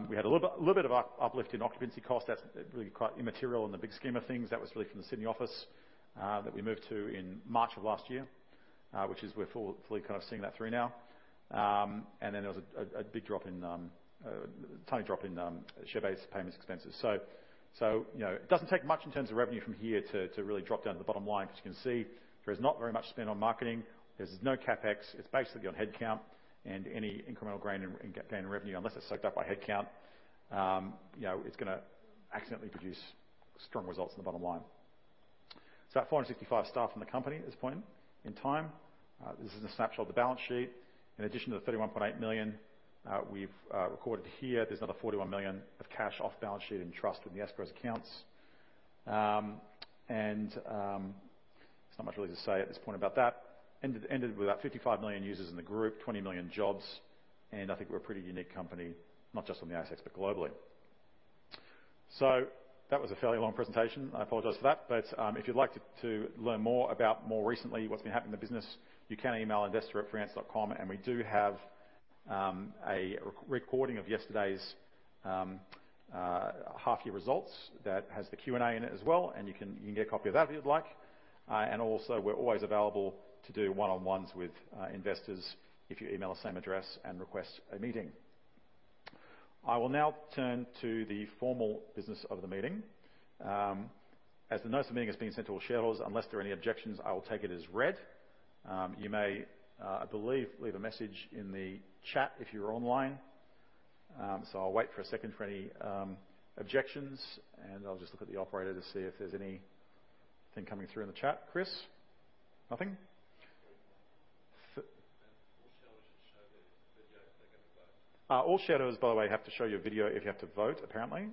We had a little bit of uplift in occupancy cost. That's really quite immaterial in the big scheme of things. That was really from the Sydney office that we moved to in March of last year, which we're fully kind of seeing that through now. Then there was a tiny drop in share-based payments expenses. It doesn't take much in terms of revenue from here to really drop down to the bottom line, because you can see there is not very much spent on marketing. There's no CapEx. It's basically on headcount and any incremental gain in revenue, unless it's soaked up by headcount, it's going to accidentally produce strong results in the bottom line. At 465 staff in the company at this point in time. This is a snapshot of the balance sheet. In addition to the 31.8 million we've recorded here, there's another 41 million of cash off balance sheet in trust with the Escrow accounts. There's not much really to say at this point about that. Ended with about 55 million users in the group, 20 million jobs, and I think we're a pretty unique company, not just on the ASX, but globally. That was a fairly long presentation. I apologize for that. If you'd like to learn more about more recently what's been happening in the business, you can email investor@freelancer.com, and we do have a recording of yesterday's half year results that has the Q&A in it as well, and you can get a copy of that if you'd like. Also, we're always available to do one-on-ones with investors if you email the same address and request a meeting. I will now turn to the formal business of the meeting. As the notice of meeting has been sent to all shareholders, unless there are any objections, I will take it as read. You may, I believe, leave a message in the chat if you're online. I'll wait for a second for any objections, and I'll just look at the Operator to see if there's anything coming through in the chat. Chris? Nothing? All shareholders should show their video if they're going to vote. All shareholders, by the way, have to show you a video if you have to vote, apparently.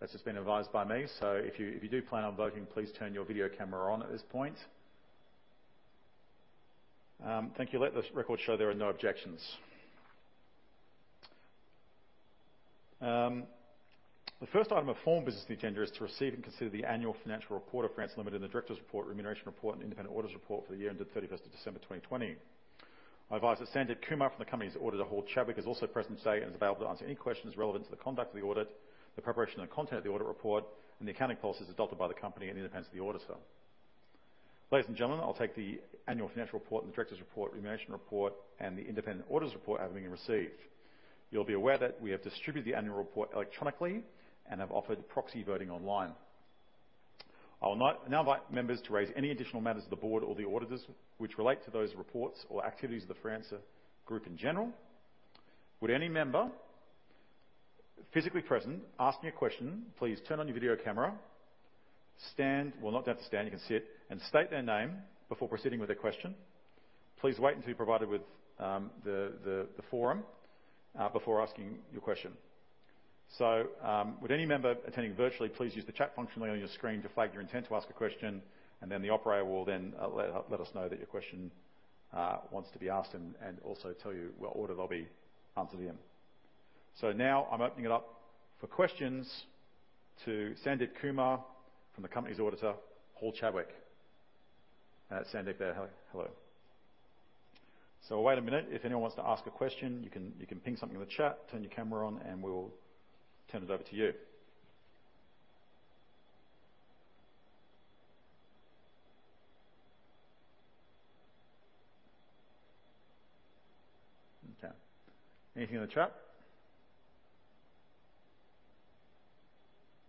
That's just been advised by me. If you do plan on voting, please turn your video camera on at this point. Thank you. Let the record show there are no objections. The first item of form business agenda is to receive and consider the annual financial report of Freelancer Limited, the Directors' report, remuneration report, and independent auditors' report for the year ended December 31, 2020. I advise that Sandeep Kumar from the company's auditor, Hall Chadwick, is also present today and is available to answer any questions relevant to the conduct of the audit, the preparation and content of the audit report, and the accounting policies adopted by the company and the independence of the auditor. Ladies and gentlemen, I'll take the annual financial report and the directors' report, remuneration report, and the independent auditors' report as having been received. You'll be aware that we have distributed the annual report electronically and have offered proxy voting online. I will now invite members to raise any additional matters to the Board or the Auditors which relate to those reports or activities of the Freelancer Group in general. Would any member physically present asking a question, please turn on your video camera, Well, not you don't have to stand, you can sit, and state their name before proceeding with their question. Please wait until you're provided with the forum before asking your question. Would any member attending virtually, please use the chat function on your screen to flag your intent to ask a question, the Operator will let us know that your question wants to be asked and also tell you what order they will be answered in. Now I'm opening it up for questions to Sandeep Kumar from the company's auditor, Hall Chadwick. Sandeep there, hello. Wait a minute. If anyone wants to ask a question, you can ping something in the chat, turn your camera on, and we will turn it over to you. Okay. Anything in the chat?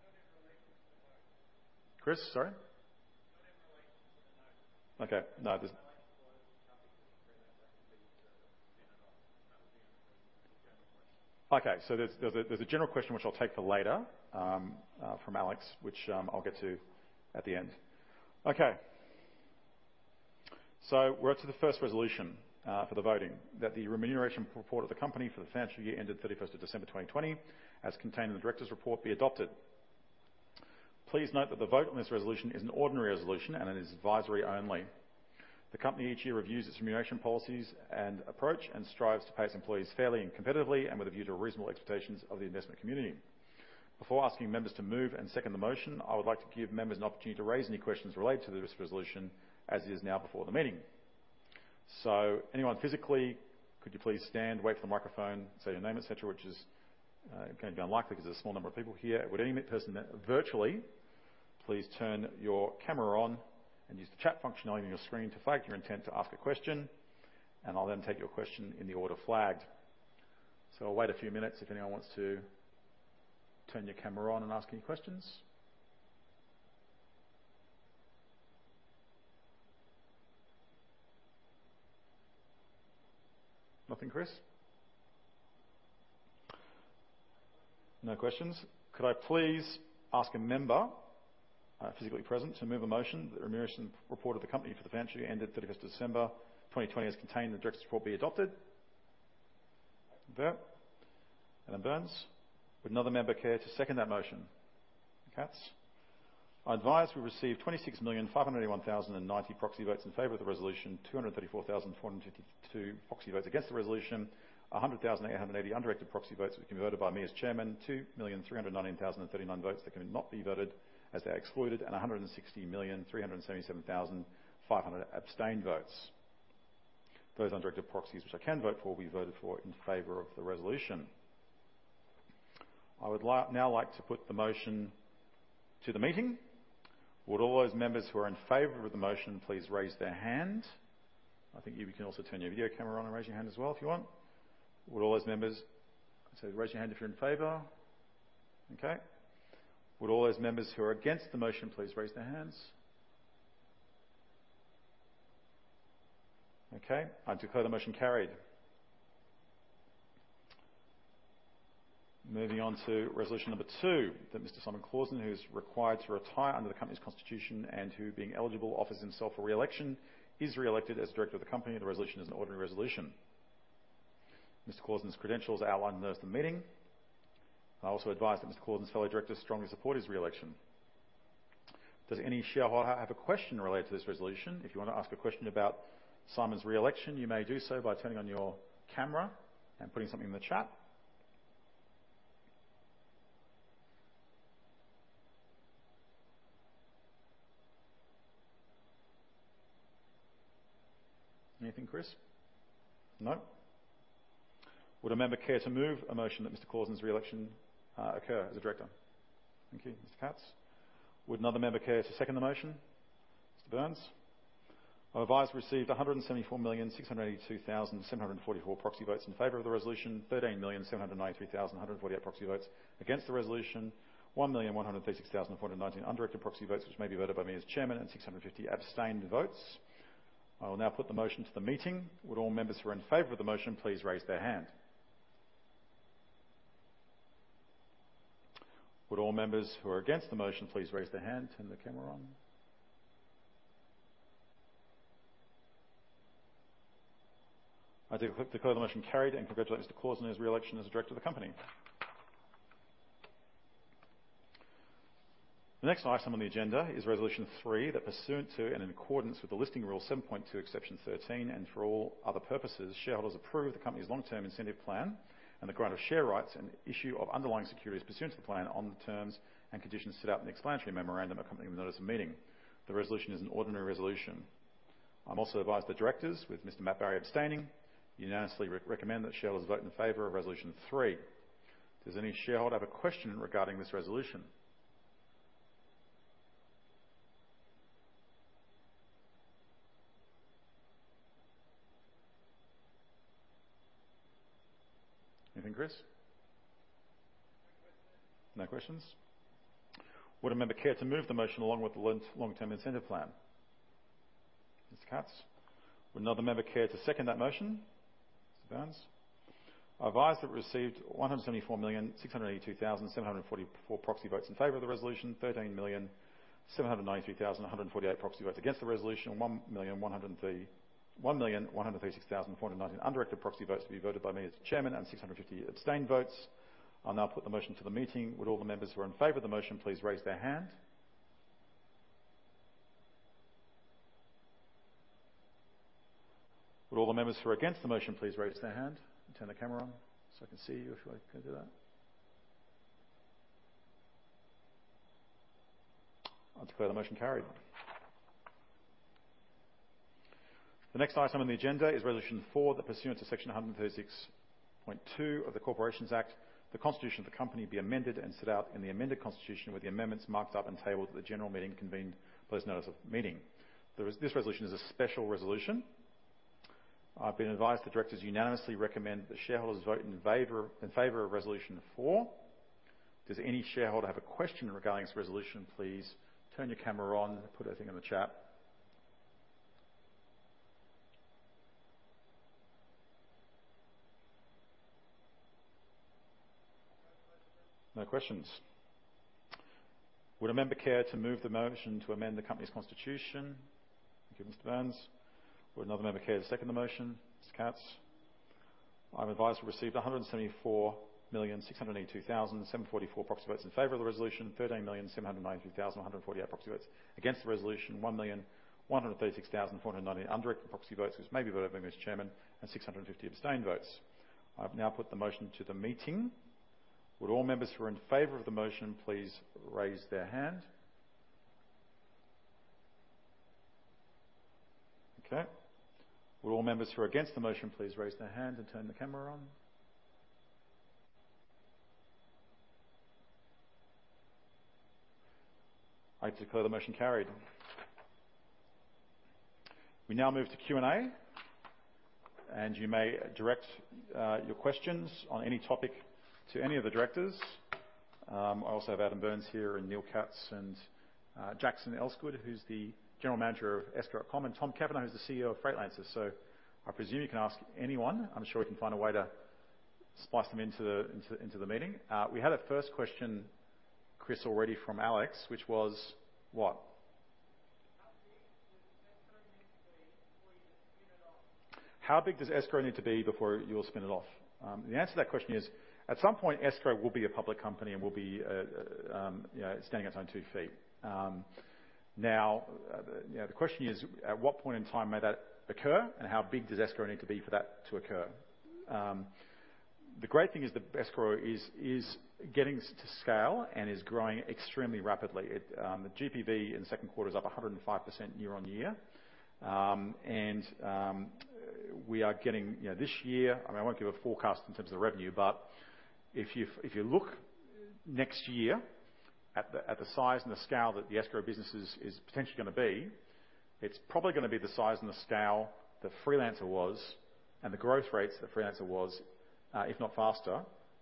[inaudible] Chris, sorry? [inaudible] Okay. No. Okay. There's a general question which I'll take for later from Alex, which I'll get to at the end. Okay, we're up to the first resolution for the voting, that the remuneration report of the company for the financial year ended December 31 2020, as contained in the Directors' report, be adopted. Please note that the vote on this resolution is an ordinary resolution and it is advisory only. The company each year reviews its remuneration policies and approach and strives to pay its employees fairly and competitively and with a view to reasonable expectations of the investment community. Before asking members to move and second the motion, I would like to give members an opportunity to raise any questions related to this resolution as it is now before the meeting. Anyone physically, could you please stand, wait for the microphone, say your name, et cetera, which is going to be unlikely because there's a small number of people here. Would any person virtually, please turn your camera on and use the chat function on your screen to flag your intent to ask a question, and I'll then take your question in the order flagged. I'll wait a few minutes if anyone wants to turn your camera on and ask any questions. Nothing, Chris? No questions. Could I please ask a member physically present to move a motion that the remuneration report of the company for the financial year ended December 31, 2020, as contained in the Directors' report, be adopted? Brett. Adam Byrnes. Would another member care to second that motion? Katz. I advise we received 26,581,090 proxy votes in favor of the resolution, 234,452 proxy votes against the resolution, 100,880 undirected proxy votes which can be voted by me as Chairman, 2,319,039 votes that cannot be voted as they are excluded, and 160,377,500 abstained votes. Those undirected proxies which I can vote for will be voted for in favor of the resolution. I would now like to put the motion to the meeting. Would all those members who are in favor of the motion please raise their hand. I think you can also turn your video camera on and raise your hand as well, if you want. Raise your hand if you're in favor. Okay. Would all those members who are against the motion please raise their hands. Okay, I declare the motion carried. Moving on to resolution number 2, that Mr. Simon Clausen, who is required to retire under the company's constitution and who, being eligible, offers himself for re-election, is re-elected as Director of the company. The resolution is an ordinary resolution. Mr. Clausen's credentials are outlined in the notice of the meeting. I also advise that Mr. Clausen's fellow Directors strongly support his re-election. Does any shareholder have a question related to this resolution? If you want to ask a question about Simon's re-election, you may do so by turning on your camera and putting something in the chat. Anything, Chris? No. Would a member care to move a motion that Mr. Clausen's re-election occur as a Director? Thank you, Mr. Katz. Would another member care to second the motion? Mr. Byrnes. I advise received 174,682,744 proxy votes in favor of the resolution, 13,793,148 proxy votes against the resolution, 1,136,419 undirected proxy votes which may be voted by me as Chairman, and 650 abstained votes. I will now put the motion to the meeting. Would all members who are in favor of the motion please raise their hand? Would all members who are against the motion please raise their hand, turn their camera on. I declare the motion carried and congratulate Mr. Clausen on his re-election as a Director of the company. The next item on the agenda is resolution 3, that pursuant to and in accordance with the Listing Rule 7.2, exception 13, and for all other purposes, shareholders approve the company's long-term incentive plan and the grant of share rights and issue of underlying securities pursuant to the plan on the terms and conditions set out in the explanatory memorandum accompanying the notice of meeting. The resolution is an ordinary resolution. I am also advised the Directors, with Mr. Matt Barrie abstaining, unanimously recommend that shareholders vote in favor of resolution 3. Does any shareholder have a question regarding this resolution? Anything, Chris? No questions. No questions. Would a member care to move the motion along with the long-term incentive plan? Mr. Katz. Would another member care to second that motion? Mr. Byrnes. I advise that we received 174,682,744 proxy votes in favor of the resolution, 13,793,148 proxy votes against the resolution, 1,136,419 undirected proxy votes to be voted by me as Chairman, and 650 abstained votes. I'll now put the motion to the meeting. Would all the members who are in favor of the motion please raise their hand. Would all the members who are against the motion please raise their hand and turn their camera on, so I can see you if you like to do that. I declare the motion carried. The next item on the agenda is resolution 4, that pursuant to Section 136.2 of the Corporations Act, the constitution of the company be amended and set out in the amended constitution with the amendments marked up and tabled at the general meeting convened at the close of notice of meeting. This resolution is a special resolution. I've been advised the directors unanimously recommend that shareholders vote in favor of resolution 4. Does any shareholder have a question regarding this resolution, please turn your camera on and put everything in the chat. No questions? Would a member care to move the motion to amend the company's constitution? Thank you, Mr. Byrnes. Would another member care to second the motion? Mr. Katz. I am advised we received 174,682,744 proxy votes in favor of the resolution, 13,793,148 proxy votes against the resolution, 1,136,419 undirected proxy votes which may be voted by me as chairman, and 650 abstained votes. I have now put the motion to the meeting. Would all members who are in favor of the motion please raise their hand. Okay. Would all members who are against the motion please raise their hand and turn their camera on. I declare the motion carried. We now move to Q&A. You may direct your questions on any topic to any of the Directors. I also have Adam Byrnes here and Neil Katz, and Jackson Elsegood, who's the General Manager of Escrow.com, and Tom Cavanagh, who's the CEO of Freightlancer. I presume you can ask anyone. I'm sure we can find a way to splice them into the meeting. We had a first question, Chris, already from Alex, which was what? How big does Escrow need to be before you will spin it off? The answer to that question is, at some point, Escrow will be a public company and will be standing on its own two feet. The question is, at what point in time may that occur, and how big does Escrow need to be for that to occur? The great thing is that Escrow is getting to scale and is growing extremely rapidly. The GPV in the second quarter is up 105% year-on-year. We are getting, this year I won't give a forecast in terms of revenue, but if you look next year at the size and the scale that the Escrow business is potentially going to be, it's probably going to be the size and the scale that Freelancer was, and the growth rates that Freelancer was, if not faster,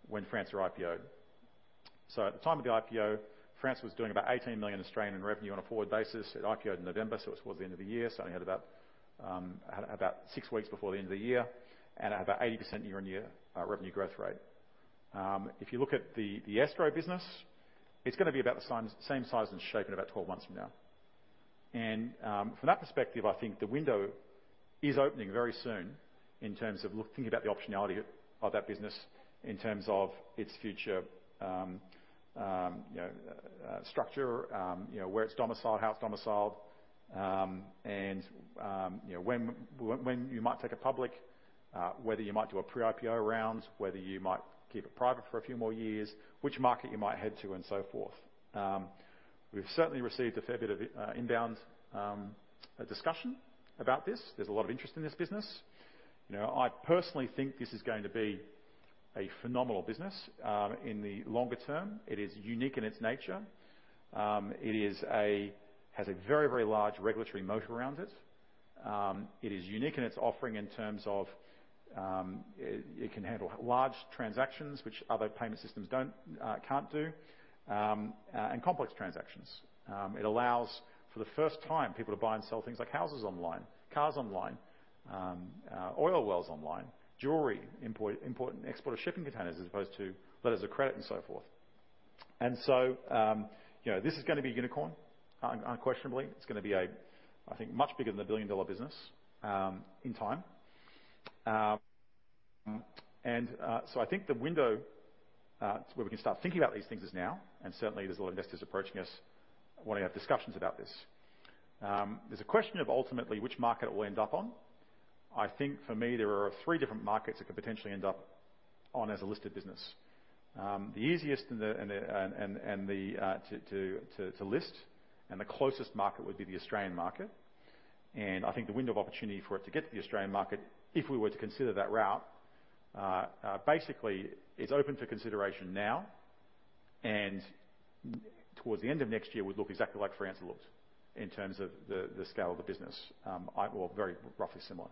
when Freelancer IPO'd. At the time of the IPO, Freelancer was doing about 18 million in revenue on a forward basis. It IPO'd in November, so it was towards the end of the year, so only had about six weeks before the end of the year. About 80% year-on-year revenue growth rate. If you look at the Escrow business, it's going to be about the same size and shape in about 12 months from now. From that perspective, I think the window is opening very soon in terms of thinking about the optionality of that business, in terms of its future structure, where it's domiciled, how it's domiciled, and when you might take it public, whether you might do a pre-IPO round, whether you might keep it private for a few more years, which market you might head to and so forth. We've certainly received a fair bit of inbound discussion about this. There's a lot of interest in this business. I personally think this is going to be a phenomenal business in the longer term. It is unique in its nature. It has a very large regulatory moat around it. It is unique in its offering in terms of it can handle large transactions, which other payment systems can't do, and complex transactions. It allows, for the first time, people to buy and sell things like houses online, cars online, oil wells online, jewelry, import and export of shipping containers, as opposed to letters of credit and so forth. This is going to be unicorn, unquestionably. It's going to be, I think, much bigger than a billion-dollar business in time. I think the window where we can start thinking about these things is now, and certainly there's a lot of investors approaching us wanting to have discussions about this. There's a question of ultimately which market it will end up on. I think for me, there are three different markets it could potentially end up on as a listed business. The easiest to list and the closest market would be the Australian market. I think the window of opportunity for it to get to the Australian market, if we were to consider that route, basically it's open for consideration now, and towards the end of next year would look exactly like Freelancer looked in terms of the scale of the business. Well, very roughly similar.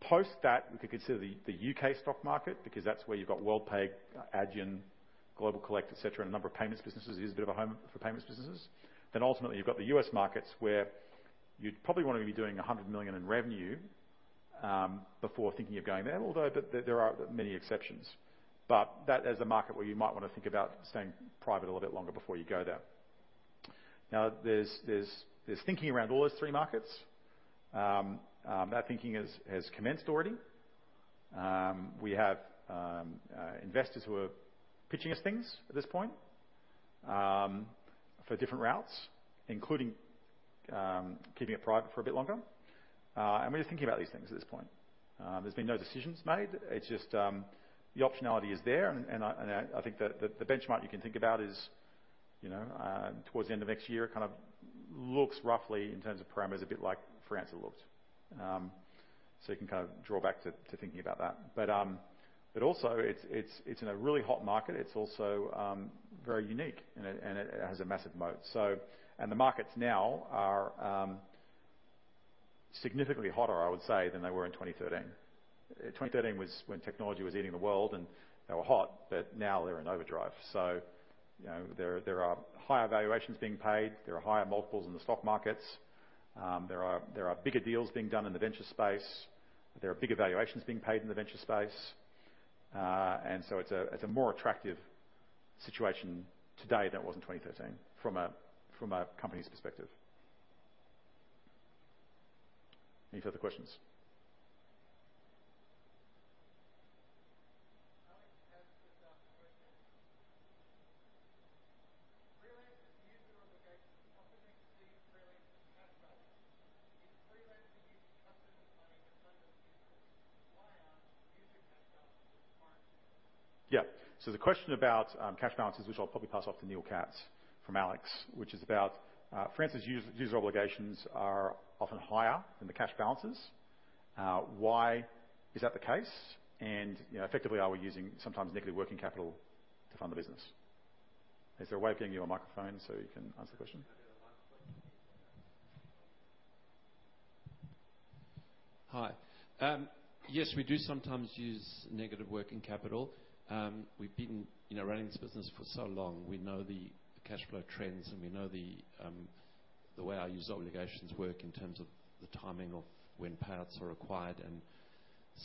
Post that, we could consider the U.K. stock market because that's where you've got Worldpay, Adyen, GlobalCollect, et cetera, and a number of payments businesses. It is a bit of a home for payments businesses. Ultimately, you've got the U.S. markets where you'd probably want to be doing $100 million in revenue before thinking of going there, although there are many exceptions. That is a market where you might want to think about staying private a little bit longer before you go there. There's thinking around all those three markets. That thinking has commenced already. We have investors who are pitching us things at this point for different routes, including keeping it private for a bit longer. We're just thinking about these things at this point. There's been no decisions made. It's just the optionality is there, and I think that the benchmark you can think about is towards the end of next year, kind of looks roughly, in terms of parameters, a bit like Freelancer looked. You can draw back to thinking about that. Also it's in a really hot market. It's also very unique, and it has a massive moat. The markets now are significantly hotter, I would say, than they were in 2013. 2013 was when technology was eating the world, and they were hot, but now they're in overdrive. There are higher valuations being paid. There are higher multiples in the stock markets. There are bigger deals being done in the venture space. There are bigger valuations being paid in the venture space. It's a more attractive situation today than it was in 2013 from a company's perspective. Any further questions? Alex has just asked a question. Freelancer's user obligations often exceed Freelancer's cash balance. Is Freelancer using customer money to fund those users who are using cash balances to fund? Yeah. The question about cash balances, which I'll probably pass off to Neil Katz from Alex, which is about Freelancer's user obligations are often higher than the cash balances. Why is that the case? Effectively, are we using sometimes negative working capital to fund the business? Is there a way of getting you a microphone so you can answer the question? Hi. Yes, we do sometimes use negative working capital. We've been running this business for so long. We know the cash flow trends, and we know the way our user obligations work in terms of the timing of when payouts are required.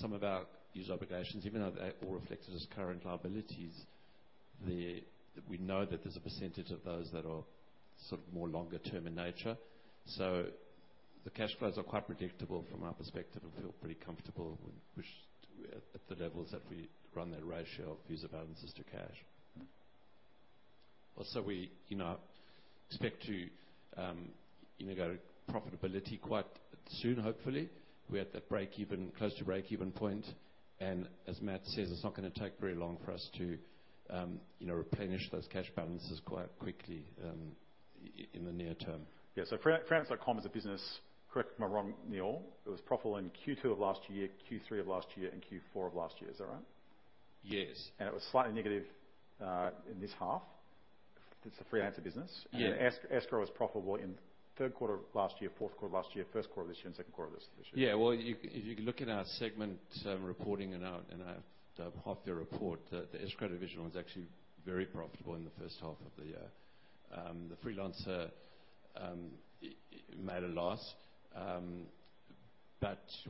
Some of our user obligations, even though they all reflect as current liabilities, we know that there's a percentage of those that are more longer term in nature. The cash flows are quite predictable from our perspective. We feel pretty comfortable at the levels that we run that ratio of user balances to cash. We expect to integrate profitability quite soon, hopefully. We're at that close to break-even point. As Matt says, it's not going to take very long for us to replenish those cash balances quite quickly in the near term. Yeah. Freelancer.com is a business, correct me if I'm wrong, Neil, it was profitable in Q2 of last year, Q3 of last year and Q4 of last year. Is that right? Yes. It was slightly negative in this half. It's a Freelancer business. Yeah. The Escrow was profitable in the third quarter of last year, fourth quarter of last year, first quarter of this year, and second quarter of this year. Yeah. Well, if you look at our segment, reporting in our half-year report, the escrow division was actually very profitable in the first half of the year. The Freelancer made a loss.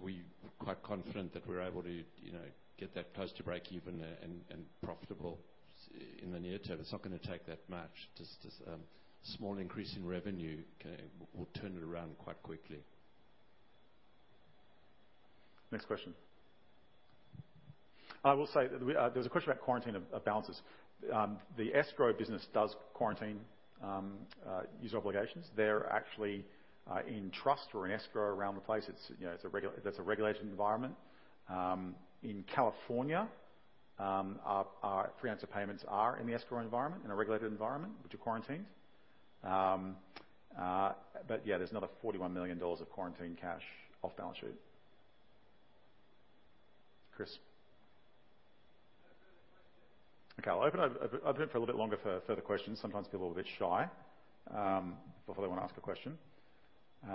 We're quite confident that we're able to get that close to break-even and profitable in the near term. It's not going to take that much. Just a small increase in revenue will turn it around quite quickly. Next question. I will say, there was a question about quarantine of balances. The escrow business does quarantine user obligations. They're actually in trust or in escrow around the place. That's a regulated environment. In California, our Freelancer payments are in the escrow environment, in a regulated environment, which are quarantined. yeah, there's another $41 million of quarantined cash off balance sheet. Chris? [inaudible] Okay, I'll open it up for a little bit longer for further questions. Sometimes people are a bit shy before they want to ask a question. We've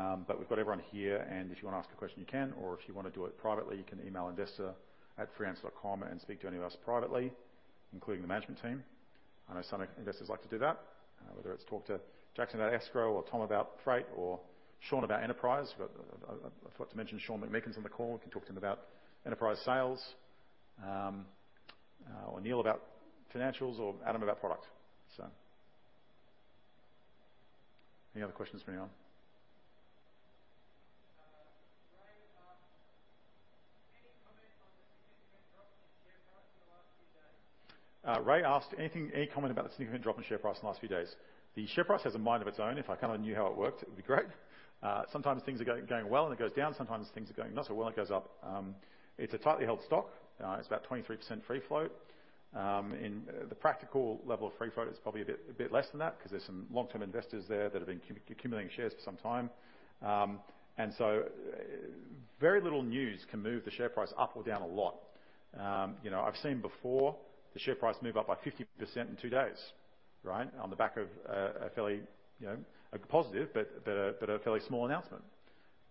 got everyone here, and if you want to ask a question, you can, or if you want to do it privately, you can email investor@freelancer.com and speak to any of us privately, including the management team. I know some investors like to do that, whether it's talk to Jackson about escrow or Tom about freight or Sean about enterprise. I forgot to mention Sean McMeekin's on the call. You can talk to him about enterprise sales. Neil about financials or Adam about product. Any other questions for now? Ray asked, any comment on the significant drop in share price in the last few days? Ray asked, any comment about the significant drop in share price in the last few days? The share price has a mind of its own. If I knew how it worked, it would be great. Sometimes things are going well, it goes down. Sometimes things are going not so well, it goes up. It's a tightly held stock. It's about 23% free float. In the practical level of free float, it's probably a bit less than that because there's some long-term investors there that have been accumulating shares for some time. Very little news can move the share price up or down a lot. I've seen before the share price move up by 50% in two days. On the back of a positive but a fairly small announcement.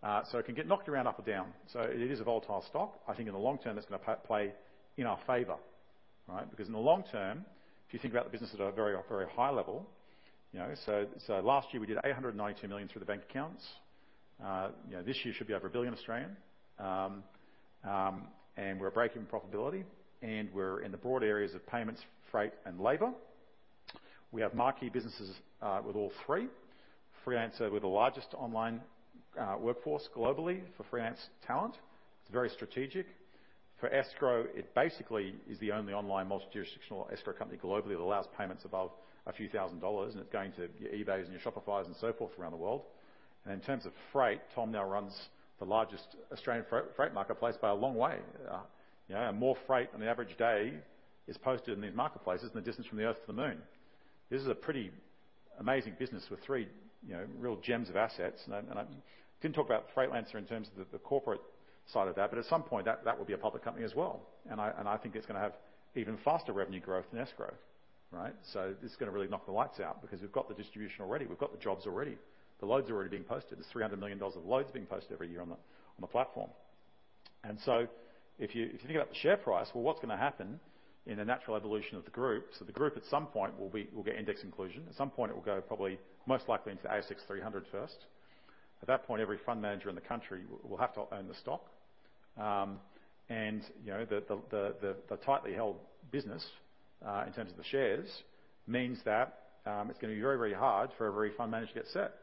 It can get knocked around up or down. It is a volatile stock. I think in the long term, that's going to play in our favor. In the long term, if you think about the business at a very high level, last year we did 892 million through the bank accounts. This year should be over 1 billion. We're breaking profitability, and we're in the broad areas of payments, freight, and labor. We have marquee businesses with all three. Freelancer, we're the largest online workforce globally for freelance talent. It's very strategic. For escrow, it basically is the only online multi-jurisdictional escrow company globally that allows payments above a few thousand dollars, and it's going to your eBays and your Shopifys and so forth around the world. In terms of freight, Tom now runs the largest Australian freight marketplace by a long way. More freight on the average day is posted in these marketplaces than the distance from the Earth to the Moon. This is a pretty amazing business with three real gems of assets. I didn't talk about Freightlancer in terms of the corporate side of that, at some point, that will be a public company as well. I think it's going to have even faster revenue growth than Escrow.com. This is going to really knock the lights out because we've got the distribution already. We've got the jobs already. The loads are already being posted. There's $300 million of loads being posted every year on the platform. If you think about the share price, well, what's going to happen in the natural evolution of the group? The group at some point will get index inclusion. At some point, it will go probably most likely into S&P/ASX 300 first. At that point, every fund manager in the country will have to own the stock. The tightly held business, in terms of the shares, means that it's going to be very hard for every fund manager to get set.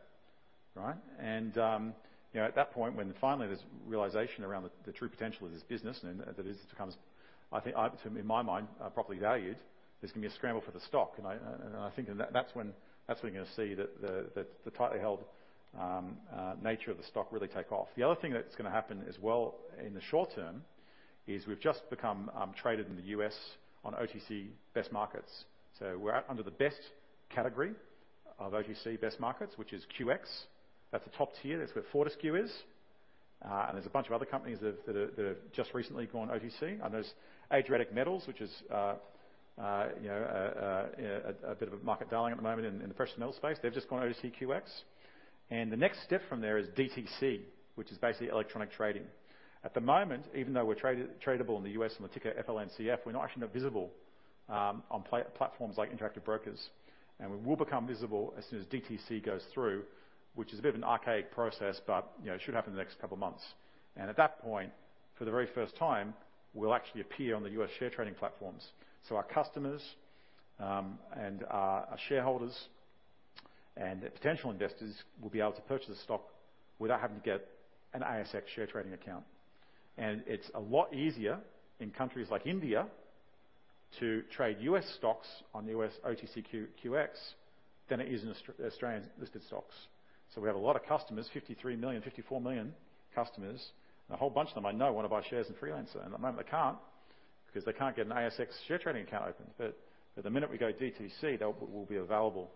At that point, when finally there's realization around the true potential of this business, and the business becomes, in my mind, properly valued, there's going to be a scramble for the stock. I think that's when you're going to see the tightly held nature of the stock really take off. The other thing that's going to happen as well in the short term is we've just become traded in the U.S. on OTC Best Markets. We're out under the best category of OTC Best Markets, which is QX. That's a top tier. That's where Fortescue is. There's a bunch of other companies that have just recently gone OTC, and there's Adriatic Metals, which is a bit of a market darling at the moment in the precious metals space. They've just gone OTCQX. The next step from there is DTC, which is basically electronic trading. At the moment, even though we're tradable in the U.S. on the ticker FLNCF, we're not actually visible on platforms like Interactive Brokers. We will become visible as soon as DTC goes through, which is a bit of an archaic process, but it should happen in the next two months. At that point, for the very first time, we'll actually appear on the U.S. share trading platforms. Our customers and our shareholders and potential investors will be able to purchase a stock without having to get an ASX share trading account. It's a lot easier in countries like India to trade U.S. stocks on the U.S. OTCQX than it is in Australian-listed stocks. We have a lot of customers, 53 million, 54 million customers, and a whole bunch of them I know want to buy shares in Freelancer. At the moment they can't, because they can't get an ASX share trading account open. The minute we go DTC, they will be available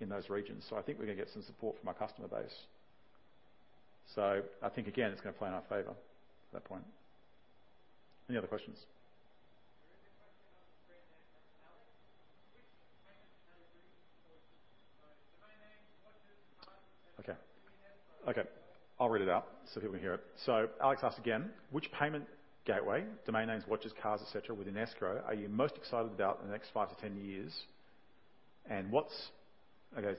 in those regions. I think we're going to get some support from our customer base. I think, again, it's going to play in our favor at that point. Any other questions? There is a question on the brand name, Escrow.com. Which payment gateway domain names, watches, cars, et cetera, within Escrow.com. I'll read it out so people can hear it. Alex asks again, which payment gateway, domain names, watches, cars, et cetera, within Escrow.com are you most excited about in the next 5 to 10 years?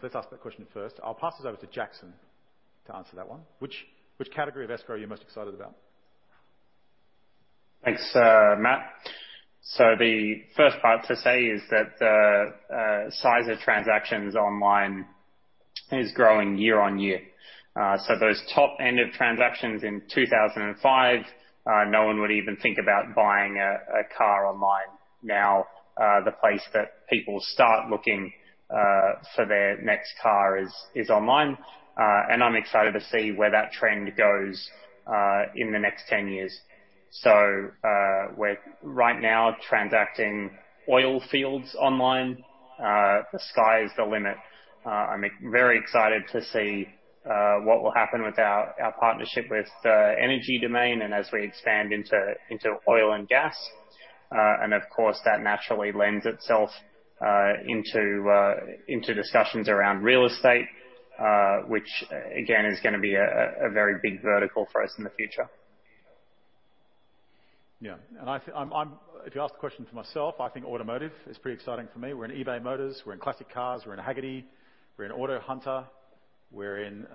Let's ask that question first. I'll pass this over to Jackson to answer that one. Which category of Escrow.com are you most excited about? Thanks, Matt. The first part to say is that the size of transactions online is growing year-on-year. Those top end of transactions in 2005, no one would even think about buying a car online. Now, the place that people start looking for their next car is online. I'm excited to see where that trend goes in the next 10 years. We're right now transacting oil fields online. The sky is the limit. I'm very excited to see what will happen with our partnership with Energy Domain and as we expand into oil and gas. Of course, that naturally lends itself into discussions around real estate, which again, is going to be a very big vertical for us in the future. Yeah. If you ask the question for myself, I think automotive is pretty exciting for me. We're in eBay Motors, we're in Classic Cars, we're in Hagerty, we're in AutoHunter, we're in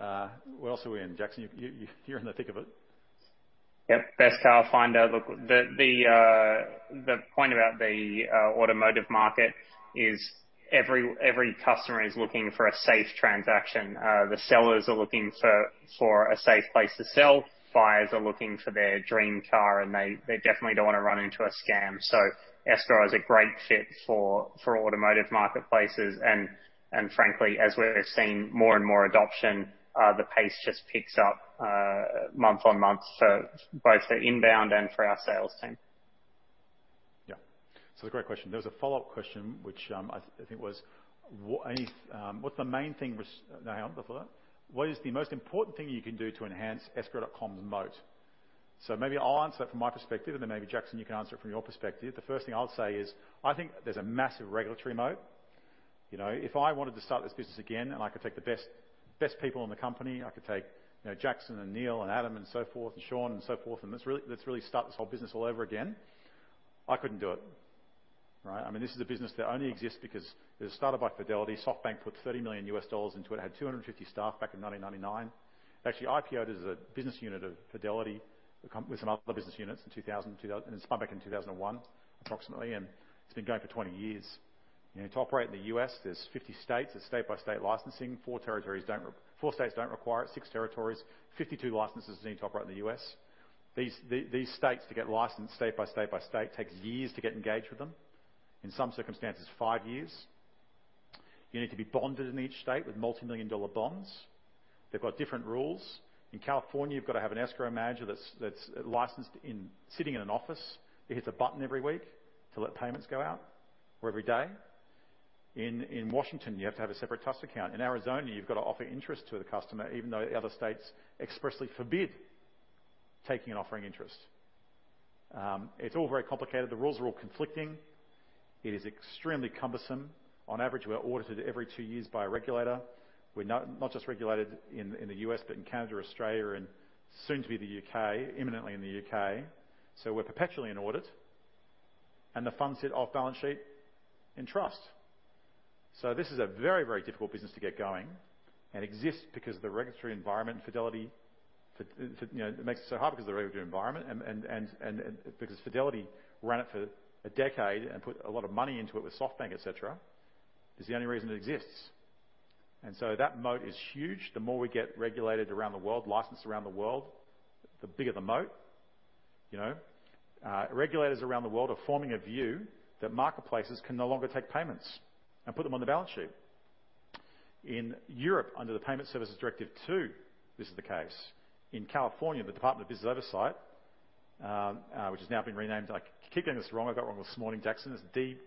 Where else are we in, Jackson? You're in the thick of it. Yep. Best Car Finder. Look, the point about the automotive market is every customer is looking for a safe transaction. The sellers are looking for a safe place to sell. Buyers are looking for their dream car, and they definitely don't want to run into a scam. Escrow.com is a great fit for automotive marketplaces and frankly, as we're seeing more and more adoption, the pace just picks up month on month, both for inbound and for our sales team. Yeah. It's a great question. There was a follow-up question, which I think was, what is the most important thing you can do to enhance Escrow.com's moat? Maybe I'll answer that from my perspective, and then maybe Jackson, you can answer it from your perspective. The first thing I'll say is, I think there's a massive regulatory moat. If I wanted to start this business again and I could take the best people in the company, I could take Jackson and Neil and Adam and so forth, and Sean and so forth, and let's really start this whole business all over again, I couldn't do it. Right? This is a business that only exists because it was started by Fidelity. SoftBank put $30 million into it, had 250 staff back in 1999. It actually IPO'd as a business unit of Fidelity, with some other business units in 2000, and it spun back in 2001, approximately. It's been going for 20 years. To operate in the U.S., there's 50 states. There's state-by-state licensing. Four states don't require it, six territories. 52 licenses are needed to operate in the U.S. These states, to get licensed state by state by state takes years to get engaged with them. In some circumstances, five years. You need to be bonded in each state with multimillion-dollar bonds. They've got different rules. In California, you've got to have an escrow manager that's licensed, sitting in an office, who hits a button every week to let payments go out, or every day. In Washington, you have to have a separate trust account. In Arizona, you've got to offer interest to the customer, even though the other states expressly forbid taking and offering interest. It's all very complicated. The rules are all conflicting. It is extremely cumbersome. On average, we're audited every two years by a regulator. We're not just regulated in the U.S., but in Canada, Australia, and soon to be the U.K., imminently in the U.K. We're perpetually in audit. The funds sit off-balance sheet in trust. This is a very, very difficult business to get going and exists because the regulatory environment. It makes it so hard because of the regulatory environment and because Fidelity ran it for a decade and put a lot of money into it with SoftBank, et cetera, is the only reason it exists. That moat is huge. The more we get regulated around the world, licensed around the world, the bigger the moat. Regulators around the world are forming a view that marketplaces can no longer take payments and put them on the balance sheet. In Europe, under the Payment Services Directive 2, this is the case. In California, the Department of Business Oversight, which has now been renamed, I keep getting this wrong. I got wrong this morning, Jackson. It's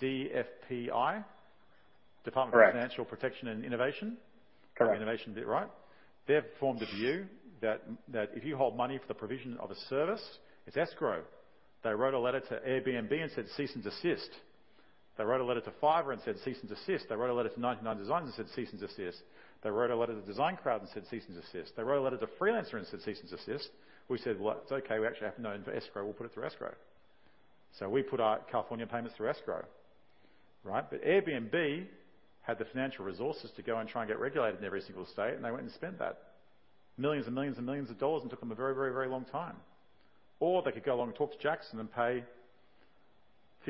DFPI. Correct. Department of Financial Protection and Innovation. Correct. Got the innovation bit right. They've formed a view that if you hold money for the provision of a service, it's escrow. They wrote a letter to Airbnb and said, Cease and desist. They wrote a letter to Fiverr and said, Cease and desist. They wrote a letter to 99designs and said, Cease and desist. They wrote a letter to DesignCrowd and said, Cease and desist. They wrote a letter to Freelancer and said, Cease and desist. We said, well, it's okay. We actually have to know it for escrow. We'll put it through escrow. We put our California payments through escrow. Airbnb had the financial resources to go and try and get regulated in every single state, and they went and spent that. Millions and millions and millions of dollars, and took them a very, very long time. They could go along and talk to Jackson and pay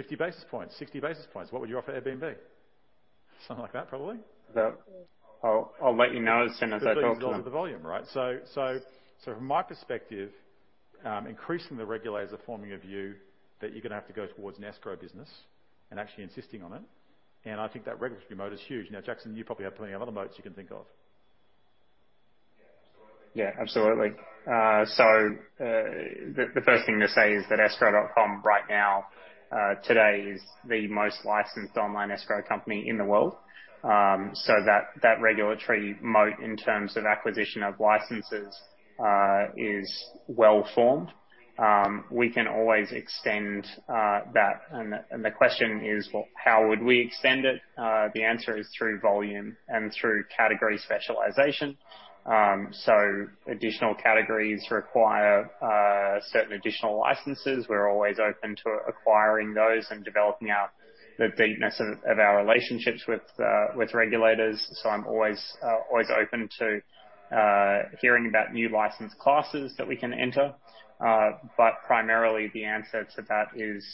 50 basis points, 60 basis points. What would you offer Airbnb? Something like that, probably. I'll let you know as soon as I talk to them. 15% of the volume, right? From my perspective, increasing the regulators are forming a view that you're going to have to go towards an escrow business and actually insisting on it, and I think that regulatory moat is huge. Jackson, you probably have plenty of other moats you can think of. Yeah, absolutely. The first thing to say is that Escrow.com right now, today, is the most licensed online escrow company in the world. That regulatory moat in terms of acquisition of licenses is well-formed. We can always extend that, and the question is, well, how would we extend it? The answer is through volume and through category specialization. Additional categories require certain additional licenses. We're always open to acquiring those and developing out the deepness of our relationships with regulators. I'm always open to hearing about new license classes that we can enter. Primarily, the answer to that is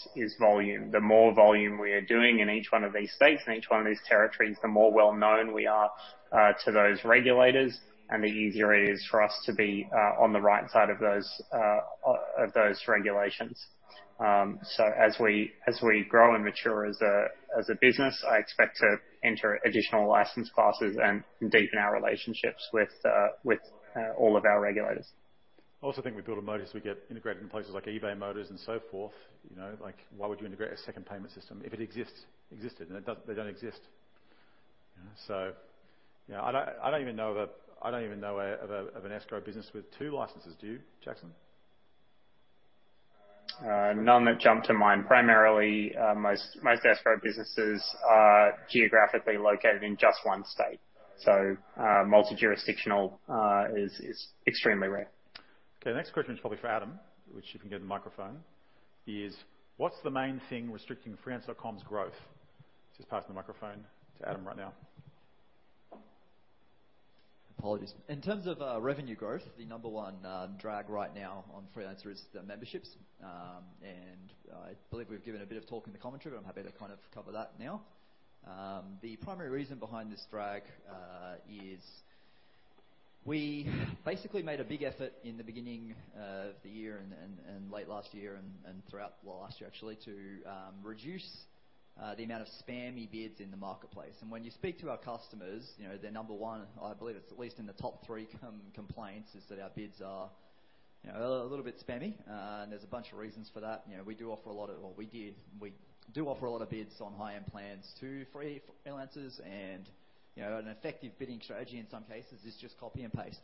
volume. The more volume we are doing in each one of these states, in each one of these territories, the more well-known we are to those regulators, and the easier it is for us to be on the right side of those regulations. As we grow and mature as a business, I expect to enter additional license classes and deepen our relationships with all of our regulators. I also think we build a moat as we get integrated in places like eBay Motors and so forth. Why would you integrate a second payment system if it existed? They don't exist. I don't even know of an escrow business with two licenses. Do you, Jackson? None that jump to mind. Primarily, most escrow businesses are geographically located in just one state. Multi-jurisdictional is extremely rare. Okay, next question is probably for Adam, which you can give the microphone, is what's the main thing restricting Freelancer.com's growth? Just passing the microphone to Adam right now. Apologies. In terms of revenue growth, the number one drag right now on Freelancer is the memberships. I believe we've given a bit of talk in the commentary, but I'm happy to cover that now. The primary reason behind this drag is we basically made a big effort in the beginning of the year and late last year and throughout last year, actually, to reduce the amount of spammy bids in the marketplace. When you speak to our customers, their number one, I believe it's at least in the top three complaints, is that our bids are a little bit spammy. There's a bunch of reasons for that. We do offer a lot of bids on high-end plans to freelancers, and an effective bidding strategy in some cases is just copy and paste.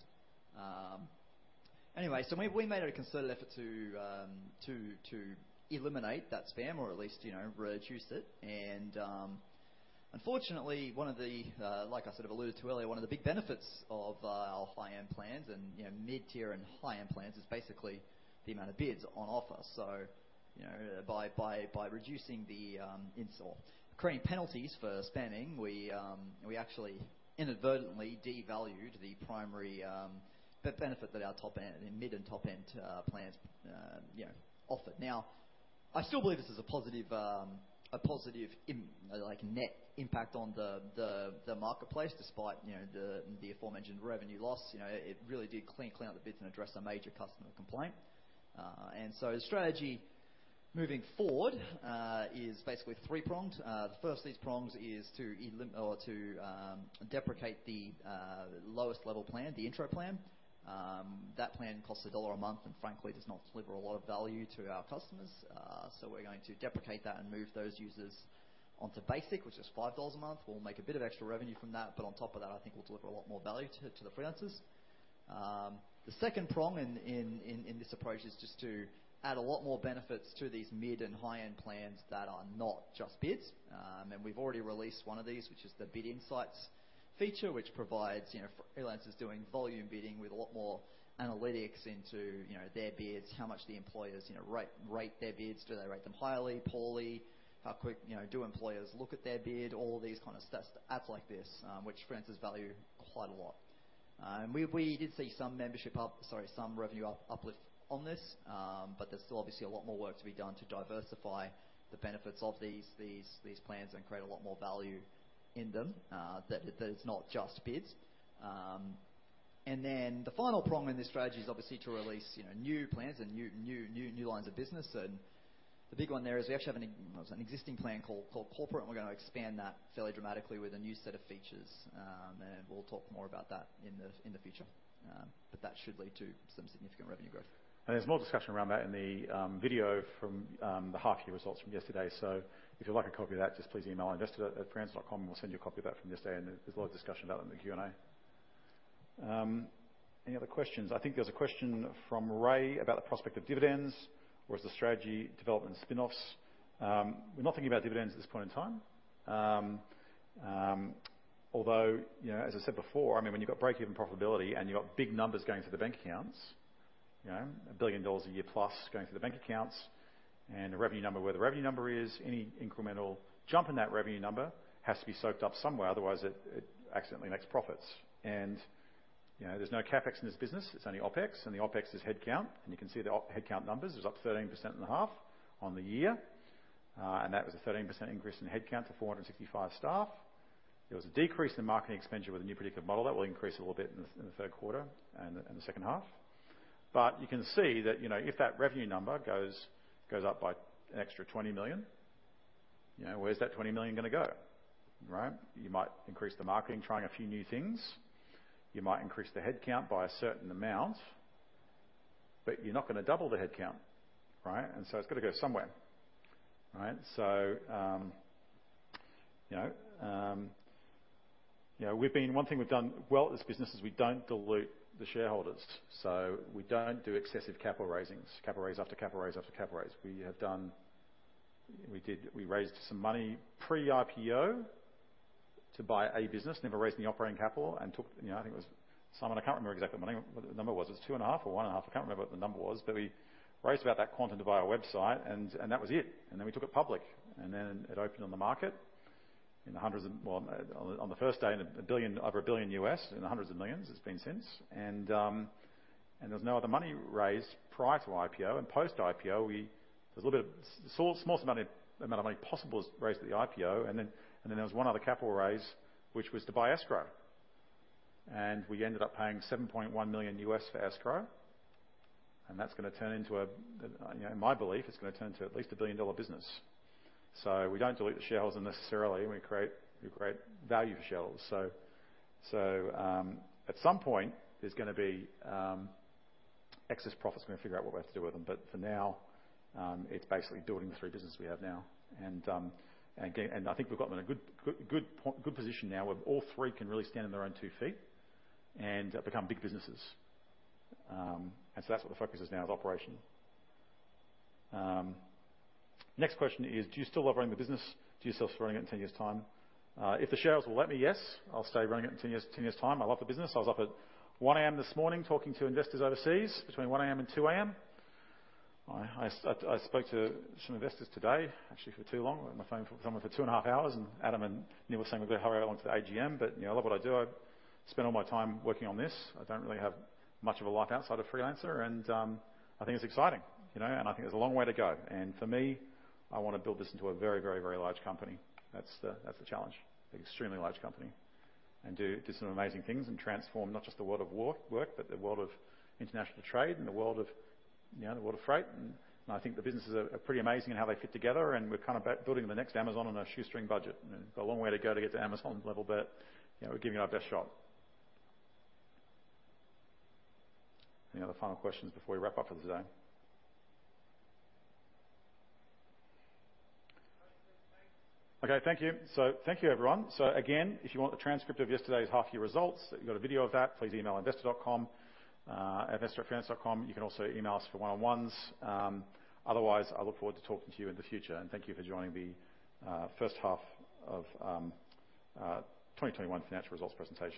Anyway, we made a concerted effort to eliminate that spam or at least reduce it. Unfortunately, like I sort of alluded to earlier, one of the big benefits of our high-end plans and mid-tier and high-end plans is basically the amount of bids on offer. By reducing the install, creating penalties for spamming, we actually inadvertently devalued the primary benefit that our mid and top-end plans offer. I still believe this is a positive net impact on the marketplace despite the aforementioned revenue loss. It really did clean out the bids and address a major customer complaint. The strategy moving forward is basically three-pronged. The first of these prongs is to deprecate the lowest level plan, the intro plan. That plan costs $1 a month and frankly, does not deliver a lot of value to our customers. We're going to deprecate that and move those users onto Basic, which is $5 a month. We'll make a bit of extra revenue from that. On top of that, I think we'll deliver a lot more value to the freelancers. The second prong in this approach is just to add a lot more benefits to these mid and high-end plans that are not just bids. We've already released one of these, which is the Bid Insights feature, which provides freelancers doing volume bidding with a lot more analytics into their bids, how much the employers rate their bids. Do they rate them highly, poorly? How quick do employers look at their bid? All these kind of stats, apps like this, which freelancers value quite a lot. We did see some revenue uplift on this. There's still obviously a lot more work to be done to diversify the benefits of these plans and create a lot more value in them, that it's not just bids. The final prong in this strategy is obviously to release new plans and new lines of business. The big one there is we actually have an existing plan called Corporate, and we're going to expand that fairly dramatically with a new set of features. We'll talk more about that in the future. That should lead to some significant revenue growth. There's more discussion around that in the video from the half year results from yesterday. If you'd like a copy of that, just please email investor@freelancer.com and we'll send you a copy of that from yesterday. There's a lot of discussion about it in the Q&A. Any other questions? I think there's a question from Ray about the prospect of dividends versus strategy development and spinoffs. We're not thinking about dividends at this point in time. As I said before, when you've got breakeven profitability and you've got big numbers going through the bank accounts, a billion dollars a year plus going through the bank accounts, and the revenue number where the revenue number is, any incremental jump in that revenue number has to be soaked up somewhere, otherwise it accidentally makes profits. There's no CapEx in this business, it's only OpEx, and the OpEx is headcount. You can see the headcount numbers is up 13.5% on the year. That was a 13% increase in headcount to 465 staff. There was a decrease in marketing expenditure with the new predictive model. That will increase a little bit in the third quarter and the second half. You can see that if that revenue number goes up by an extra 20 million, where's that 20 million going to go? You might increase the marketing, trying a few new things. You might increase the headcount by a certain amount, but you're not going to double the headcount, right? It's got to go somewhere. One thing we've done well in this business is we don't dilute the shareholders. We don't do excessive capital raisings, capital raise after capital raise after capital raise. We raised some money pre-IPO to buy a business, never raised any operating capital, took, I think it was some, I can't remember exactly what the number was. It was two and a half or one and a half. I can't remember what the number was, we raised about that quantity to buy a website, that was it. We took it public, it opened on the market on the first day, over $1 billion, in the hundreds of millions it's been since. There was no other money raised prior to IPO, post-IPO. There was a small amount of money possible raised at the IPO, there was one other capital raise, which was to buy Escrow.com. We ended up paying $7.1 million for Escrow.com, and in my belief, it's going to turn to at least a billion-dollar business. We don't dilute the shareholders unnecessarily, and we create great value for shareholders. At some point, there's going to be excess profits. We're going to figure out what we have to do with them. For now, it's basically building the three businesses we have now. I think we've got in a good position now where all three can really stand on their own two feet and become big businesses. That's what the focus is now, is operation. Next question is, do you still love running the business? Do you still see yourself running it in 10 years' time? If the shareholders will let me, yes, I'll stay running it in 10 years' time. I love the business. I was up at 1:00 A.M. this morning talking to investors overseas, between 1:00 A.M. and 2:00 A.M. I spoke to some investors today, actually for too long. I was on my phone with someone for two and a half hours, and Adam and Neil were saying, we better hurry along to the AGM, but I love what I do. I spend all my time working on this. I don't really have much of a life outside of Freelancer, and I think it's exciting. I think there's a long way to go. For me, I want to build this into a very large company. That's the challenge. Extremely large company, and do some amazing things and transform not just the world of work, but the world of international trade and the world of freight. I think the businesses are pretty amazing in how they fit together, and we're building the next Amazon on a shoestring budget. We got a long way to go to get to Amazon level, we're giving it our best shot. Any other final questions before we wrap up for the day? Okay. Thank you. Thank you, everyone. Again, if you want the transcript of yesterday's half year results, you got a video of that, please email investor@freelancer.com. You can also email us for one-on-ones. Otherwise, I look forward to talking to you in the future, and thank you for joining the first half of 2021 financial results presentation.